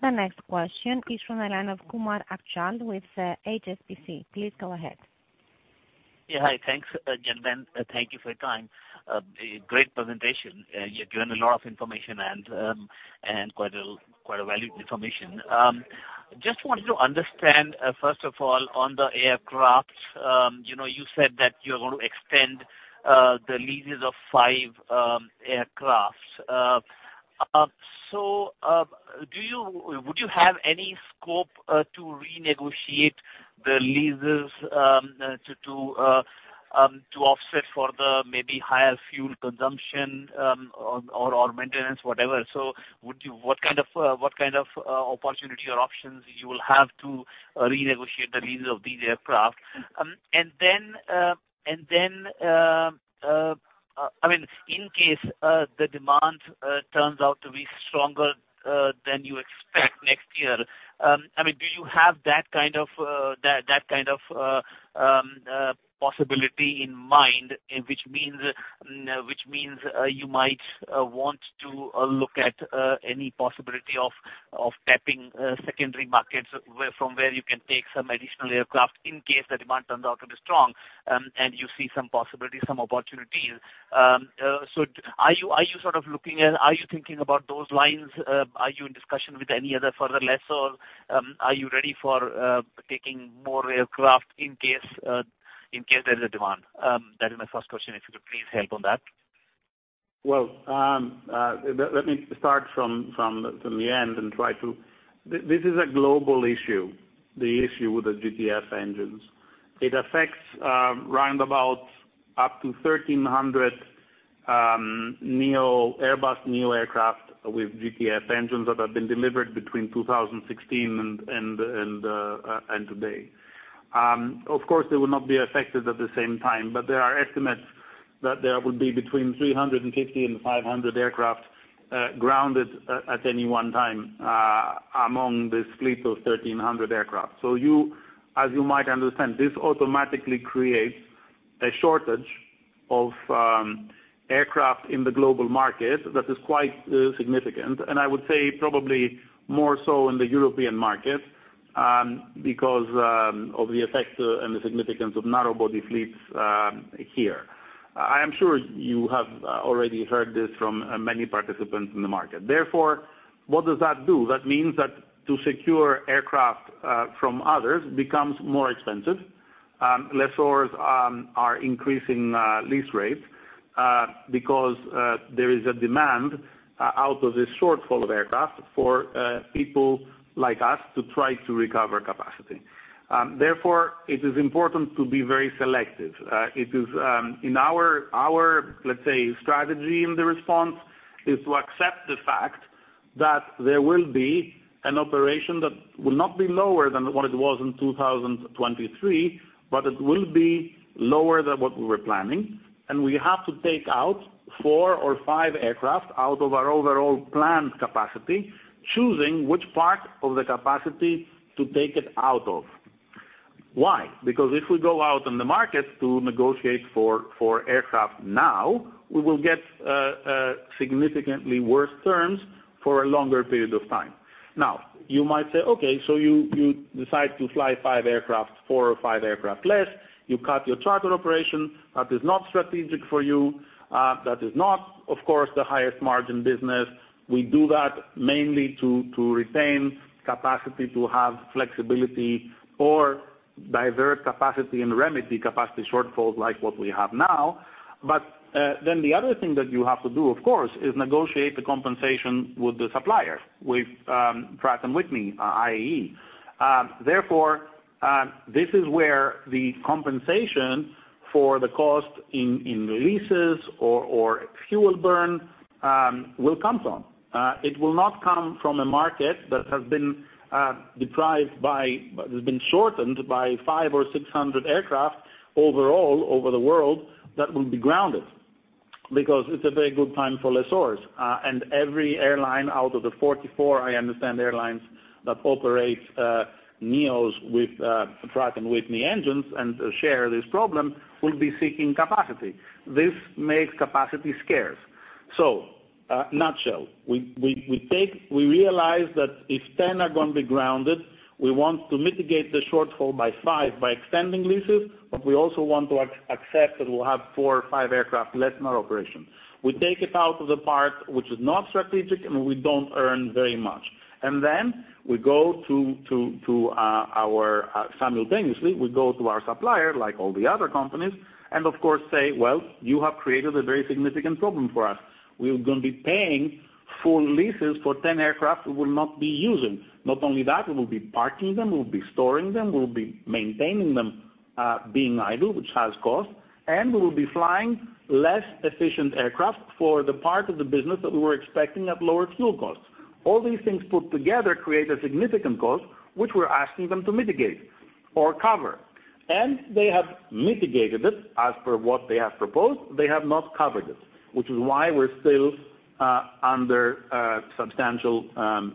The next question is from the line of Achal Kumar with HSBC. Please go ahead. Yeah, hi. Thanks, gentlemen, thank you for your time. Great presentation. You've given a lot of information and quite a valued information. Just wanted to understand, first of all, on the aircraft, you know, you said that you're going to extend the leases of 5 aircraft. So, would you have any scope to renegotiate the leases to offset for the maybe higher fuel consumption or maintenance, whatever? So would you what kind of opportunity or options you will have to renegotiate the leases of these aircraft? And then, and then, I mean, in case the demand turns out to be stronger than you expect next year, I mean, do you have that kind of, that, that kind of possibility in mind, which means, which means, you might want to look at any possibility of tapping secondary markets from where you can take some additional aircraft in case the demand turns out to be strong, and you see some possibilities, some opportunities. So are you, are you sort of looking at, are you thinking about those lines? Are you in discussion with any other further lessor? Are you ready for taking more aircraft in case, in case there is a demand? That is my first question. If you could please help on that. Well, let me start from the end and try to... This is a global issue, the issue with the GTF engines. It affects round about up to 1,300 neo Airbus, neo aircraft with GTF engines that have been delivered between 2016 and today. Of course, they will not be affected at the same time, but there are estimates that there would be between 350 and 500 aircraft grounded at any one time among this fleet of 1,300 aircraft. As you might understand, this automatically creates a shortage of aircraft in the global market that is quite significant, and I would say probably more so in the European market, because of the effect and the significance of narrow-body fleets here. I am sure you have already heard this from many participants in the market. Therefore, what does that do? That means that to secure aircraft from others becomes more expensive. Lessors are increasing lease rates because there is a demand out of this shortfall of aircraft for people like us to try to recover capacity. Therefore, it is important to be very selective. It is in our, our, let's say, strategy in the response, is to accept the fact that there will be an operation that will not be lower than what it was in 2023, but it will be lower than what we were planning. And we have to take out 4 or 5 aircraft out of our overall planned capacity, choosing which part of the capacity to take it out of. Why? Because if we go out on the market to negotiate for aircraft now, we will get significantly worse terms for a longer period of time. Now, you might say, "Okay, so you decide to fly 5 aircraft, 4 or 5 aircraft less. You cut your charter operation. That is not strategic for you. That is not, of course, the highest margin business." We do that mainly to retain capacity, to have flexibility, or divert capacity and remedy capacity shortfalls like what we have now. But then the other thing that you have to do, of course, is negotiate the compensation with the supplier, with Pratt & Whitney, i.e. Therefore, this is where the compensation for the cost in leases or fuel burn will come from. It will not come from a market that has been shortened by 500 or 600 aircraft overall, over the world, that will be grounded. Because it's a very good time for lessors, and every airline out of the 44, I understand, airlines that operate neos with Pratt & Whitney engines and share this problem, will be seeking capacity. This makes capacity scarce. So, in a nutshell, we realize that if 10 are gonna be grounded, we want to mitigate the shortfall by 5, by extending leases, but we also want to accept that we'll have 4 or 5 aircraft less in our operation. We take it out of the fleet, which is not strategic, and we don't earn very much. And then simultaneously we go to our supplier, like all the other companies, and of course say, "Well, you have created a very significant problem for us. We're gonna be paying full leases for 10 aircraft we will not be using. Not only that, we will be parking them, we will be storing them, we will be maintaining them, being idle, which has cost, and we will be flying less efficient aircraft for the part of the business that we were expecting at lower fuel costs. All these things put together create a significant cost, which we're asking them to mitigate or cover. They have mitigated it as per what they have proposed. They have not covered it, which is why we're still under substantial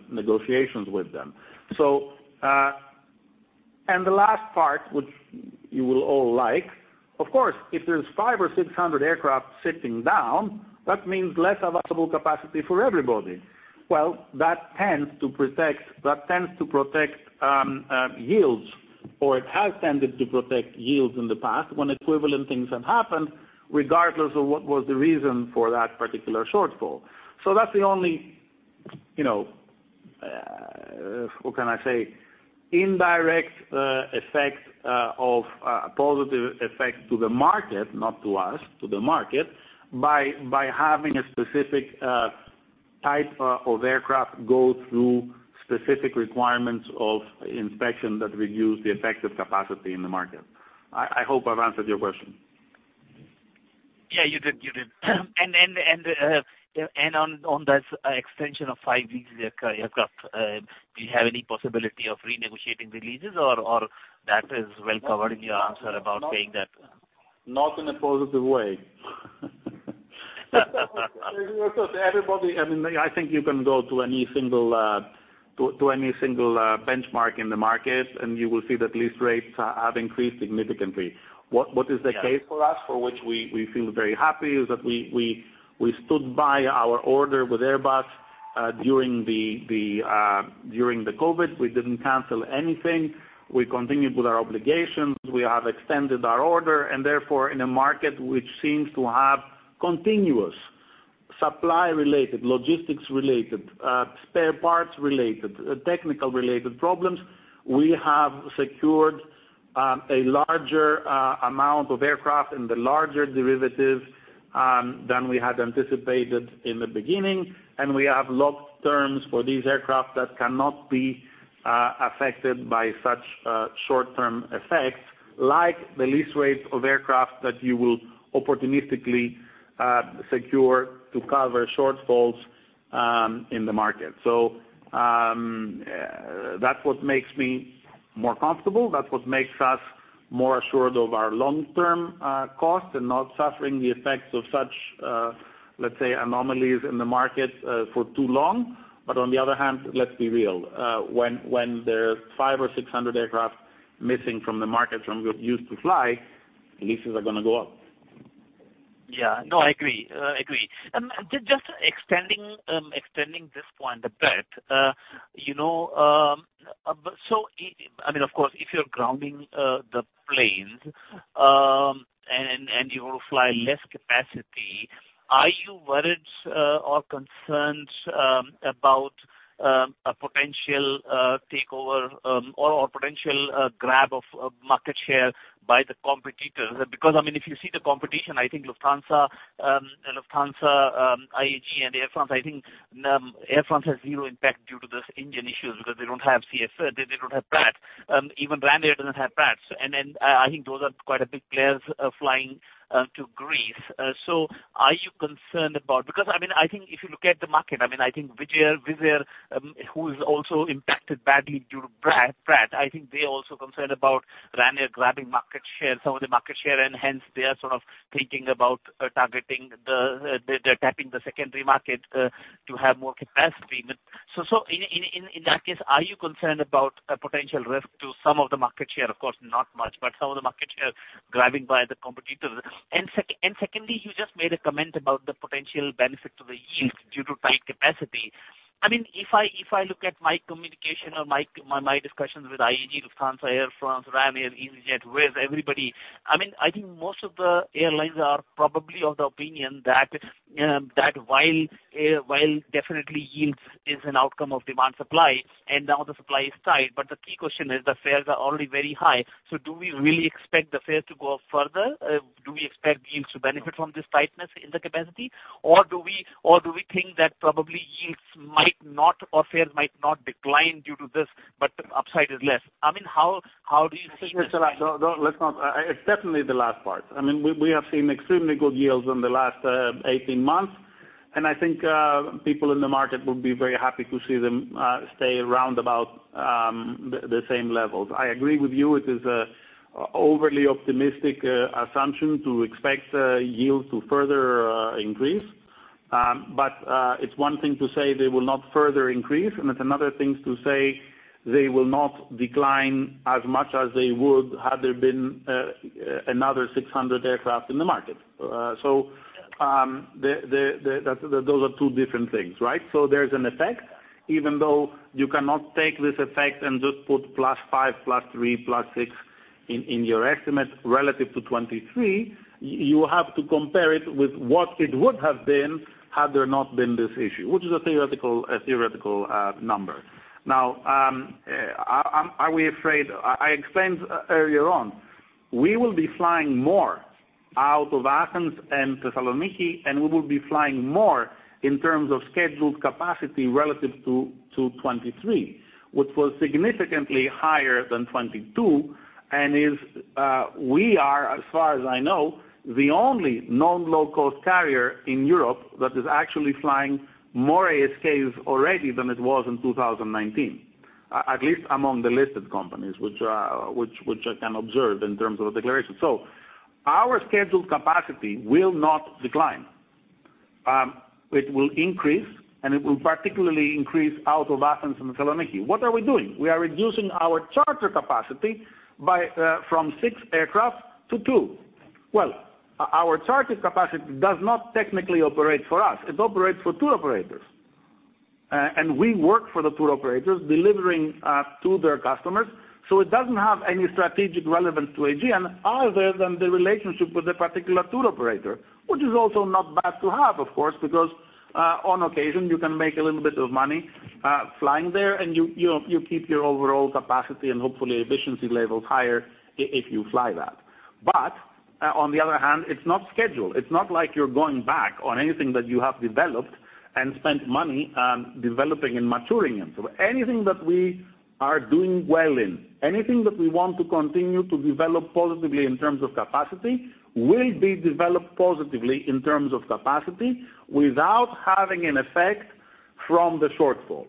negotiations with them. So, and the last part, which you will all like, of course, if there's 500 or 600 aircraft sitting down, that means less available capacity for everybody. Well, that tends to protect yields, or it has tended to protect yields in the past when equivalent things have happened, regardless of what was the reason for that particular shortfall. So that's the only, you know, what can I say? Indirect effect of positive effect to the market, not to us, to the market, by having a specific type of aircraft go through specific requirements of inspection that reduce the effective capacity in the market. I hope I've answered your question. Yeah, you did, you did. And on that extension of five leased aircraft, do you have any possibility of renegotiating the leases, or that is well covered in your answer about saying that? Not in a positive way. So to everybody, I mean, I think you can go to any single benchmark in the market, and you will see that lease rates have increased significantly. What is the- Yeah ...case for us, for which we feel very happy, is that we stood by our order with Airbus during the COVID. We didn't cancel anything. We continued with our obligations. We have extended our order, and therefore, in a market which seems to have continuous supply-related, logistics-related, spare parts-related, technical-related problems, we have secured a larger amount of aircraft in the larger derivatives than we had anticipated in the beginning. And we have locked terms for these aircraft that cannot be affected by such short-term effects, like the lease rates of aircraft that you will opportunistically secure to cover shortfalls... in the market. So, that's what makes me more comfortable. That's what makes us more assured of our long-term cost and not suffering the effects of such, let's say, anomalies in the market for too long. But on the other hand, let's be real, when there's 500-600 aircraft missing from the market from what used to fly, leases are gonna go up. Yeah. No, I agree. Agree. And just extending this point a bit, you know, so, I mean, of course, if you're grounding the planes, and you will fly less capacity, are you worried or concerned about a potential takeover or potential grab of market share by the competitors? Because, I mean, if you see the competition, I think Lufthansa, Lufthansa, IAG, and Air France, I think Air France has zero impact due to this engine issues because they don't have CF, they don't have Pratt. Even Ryanair doesn't have Pratt. And then, I think those are quite a big players flying to Greece. So are you concerned about... Because, I mean, I think if you look at the market, I mean, I think Wizz Air, who is also impacted badly due to Pratt, I think they're also concerned about Ryanair grabbing market share, some of the market share, and hence they are sort of thinking about targeting the, they're tapping the secondary market to have more capacity. So in that case, are you concerned about a potential risk to some of the market share? Of course, not much, but some of the market share grabbing by the competitors. And secondly, you just made a comment about the potential benefit to the yield due to tight capacity. I mean, if I look at my communication or my discussions with IAG, Lufthansa, Air France, Ryanair, easyJet, Wizz, everybody, I mean, I think most of the airlines are probably of the opinion that while definitely yields is an outcome of demand, supply, and now the supply is tight, but the key question is, the fares are already very high. So do we really expect the fare to go up further? Do we expect yields to benefit from this tightness in the capacity? Or do we think that probably yields might not, or fares might not decline due to this, but the upside is less? I mean, how do you think this?... No, no, let's not. It's definitely the last part. I mean, we have seen extremely good yields in the last 18 months, and I think people in the market would be very happy to see them stay around about the same levels. I agree with you, it is a overly optimistic assumption to expect yield to further increase. It's one thing to say they will not further increase, and it's another thing to say they will not decline as much as they would had there been another 600 aircraft in the market. Those are two different things, right? So there's an effect, even though you cannot take this effect and just put +5, +3, +6 in your estimate relative to 2023, you have to compare it with what it would have been had there not been this issue, which is a theoretical number. Now, are we afraid? I explained earlier on, we will be flying more out of Athens and Thessaloniki, and we will be flying more in terms of scheduled capacity relative to 2023, which was significantly higher than 2022, and we are, as far as I know, the only non-low-cost carrier in Europe that is actually flying more ASKs already than it was in 2019. At least among the listed companies, which I can observe in terms of declaration. So our scheduled capacity will not decline. It will increase, and it will particularly increase out of Athens and Thessaloniki. What are we doing? We are reducing our charter capacity by from 6 aircraft to 2. Well, our charter capacity does not technically operate for us. It operates for tour operators. And we work for the tour operators, delivering to their customers, so it doesn't have any strategic relevance to AEGEAN other than the relationship with the particular tour operator, which is also not bad to have, of course, because on occasion, you can make a little bit of money flying there, and you, you, you keep your overall capacity and hopefully efficiency levels higher if you fly that. But on the other hand, it's not scheduled. It's not like you're going back on anything that you have developed and spent money on developing and maturing them. So anything that we are doing well in, anything that we want to continue to develop positively in terms of capacity, will be developed positively in terms of capacity without having an effect from the shortfall.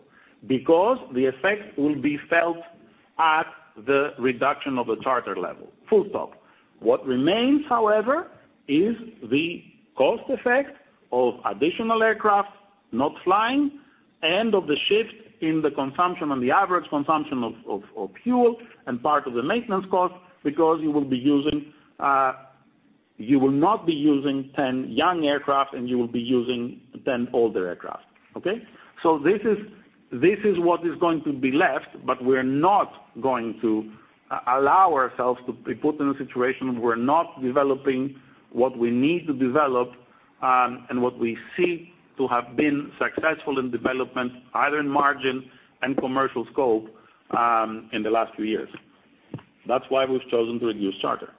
Because the effect will be felt at the reduction of the charter level, full stop. What remains, however, is the cost effect of additional aircraft not flying and of the shift in the consumption and the average consumption of, of, of fuel and part of the maintenance cost, because you will be using, you will not be using 10 young aircraft, and you will be using 10 older aircraft. Okay? So this is, this is what is going to be left, but we're not going to allow ourselves to be put in a situation where we're not developing what we need to develop, and what we see to have been successful in development, either in margin and commercial scope, in the last few years. That's why we've chosen to reduce charter.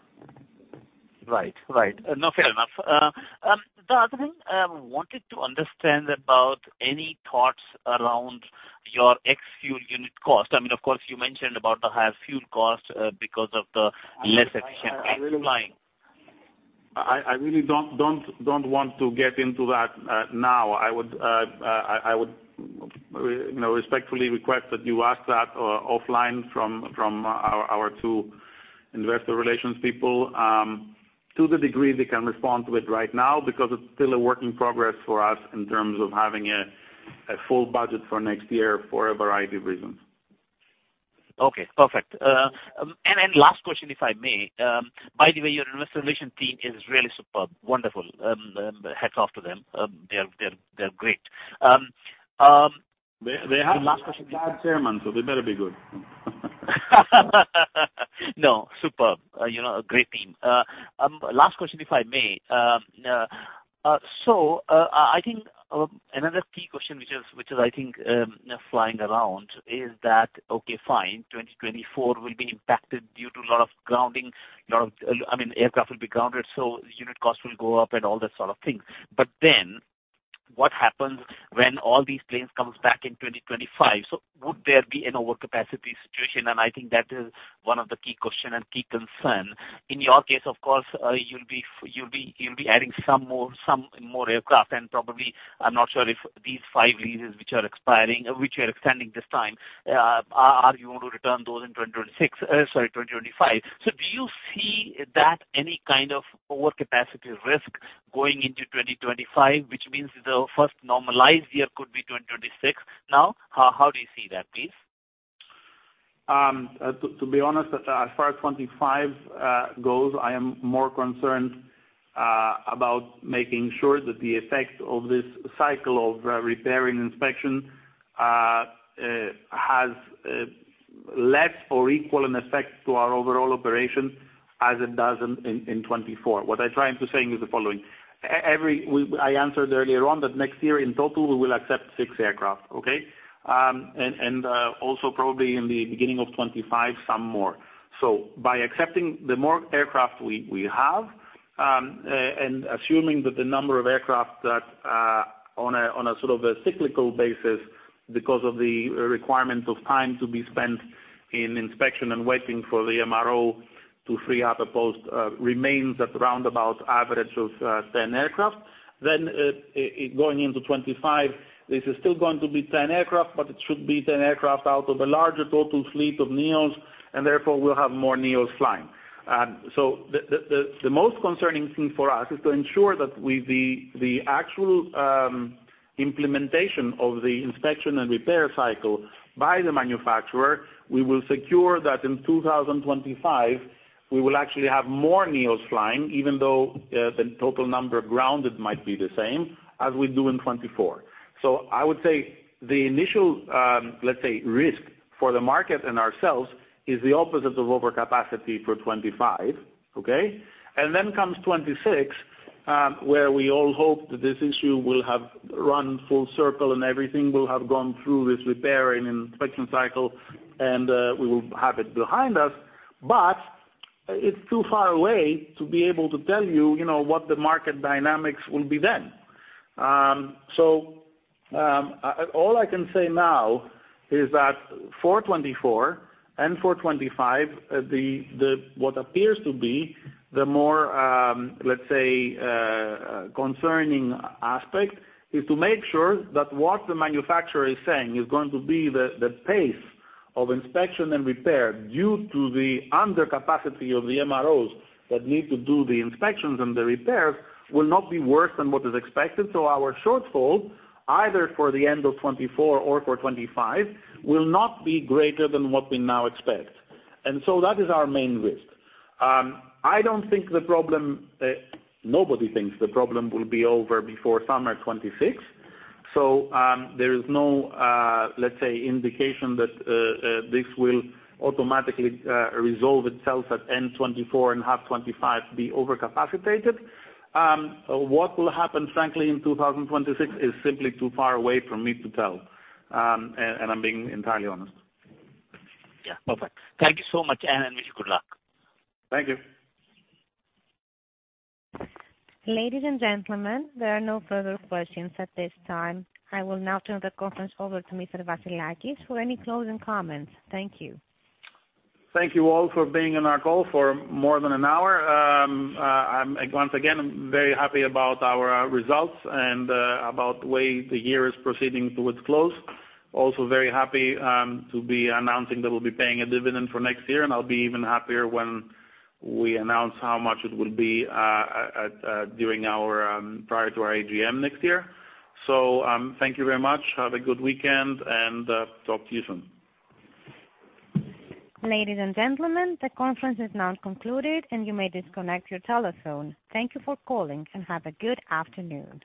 Right. Right. No, fair enough. The other thing, I wanted to understand about any thoughts around your ex-fuel unit cost. I mean, of course, you mentioned about the higher fuel cost, because of the less efficient flying.... I really don't want to get into that now. I would, you know, respectfully request that you ask that offline from our two investor relations people, to the degree they can respond to it right now, because it's still a work in progress for us in terms of having a full budget for next year for a variety of reasons. Okay, perfect. And then last question, if I may. By the way, your Investor Relations team is really superb, wonderful. Hats off to them. They're great. They have a bad chairman, so they better be good. No, superb. You know, a great team. Last question, if I may. Another key question, which is flying around, is that, okay, fine, 2024 will be impacted due to a lot of grounding. A lot of, I mean, aircraft will be grounded, so unit costs will go up and all that sort of thing. But then what happens when all these planes comes back in 2025? So would there be an overcapacity situation? And I think that is one of the key question and key concern. In your case, of course, you'll be adding some more aircraft, and probably, I'm not sure if these five leases which are expiring, which you are extending this time, are you going to return those in 2026, sorry, 2025. So do you see that any kind of overcapacity risk going into 2025, which means the first normalized year could be 2026 now? How do you see that, please? To be honest, as far as 2025 goes, I am more concerned about making sure that the effect of this cycle of repairing inspection has less or equal an effect to our overall operation as it does in 2024. What I'm trying to saying is the following: I answered earlier on that next year, in total, we will accept 6 aircraft, okay? And also probably in the beginning of 2025, some more. So by accepting the more aircraft we have, and assuming that the number of aircraft that on a sort of a cyclical basis, because of the requirement of time to be spent in inspection and waiting for the MRO to free up a post, remains at round about average of 10 aircraft, then going into 25, this is still going to be 10 aircraft, but it should be 10 aircraft out of a larger total fleet of neos, and therefore we'll have more neos flying. So the most concerning thing for us is to ensure that with the actual implementation of the inspection and repair cycle by the manufacturer, we will secure that in 2025, we will actually have more neos flying, even though the total number grounded might be the same as we do in 2024. So I would say the initial, let's say, risk for the market and ourselves is the opposite of overcapacity for 2025, okay? And then comes 2026, where we all hope that this issue will have run full circle, and everything will have gone through this repair and inspection cycle, and we will have it behind us. But it's too far away to be able to tell you, you know, what the market dynamics will be then. So, all I can say now is that for 2024 and for 2025, what appears to be the more, let's say, concerning aspect, is to make sure that what the manufacturer is saying is going to be the pace of inspection and repair due to the undercapacity of the MROs that need to do the inspections and the repairs, will not be worse than what is expected. So our shortfall, either for the end of 2024 or for 2025, will not be greater than what we now expect. And so that is our main risk. I don't think the problem, nobody thinks the problem will be over before summer 2026. So, there is no, let's say, indication that this will automatically resolve itself at end 2024 and half 2025, be overcapacitated. What will happen, frankly, in 2026 is simply too far away for me to tell. I'm being entirely honest. Yeah. Perfect. Thank you so much, and wish you good luck. Thank you. Ladies and gentlemen, there are no further questions at this time. I will now turn the conference over to Mr. Vassilakis for any closing comments. Thank you. Thank you all for being on our call for more than an hour. I'm once again, I'm very happy about our results and about the way the year is proceeding to its close. Also very happy to be announcing that we'll be paying a dividend for next year, and I'll be even happier when we announce how much it will be, at, at, during our prior to our AGM next year. So, thank you very much. Have a good weekend, and talk to you soon. Ladies and gentlemen, the conference is now concluded, and you may disconnect your telephone. Thank you for calling, and have a good afternoon.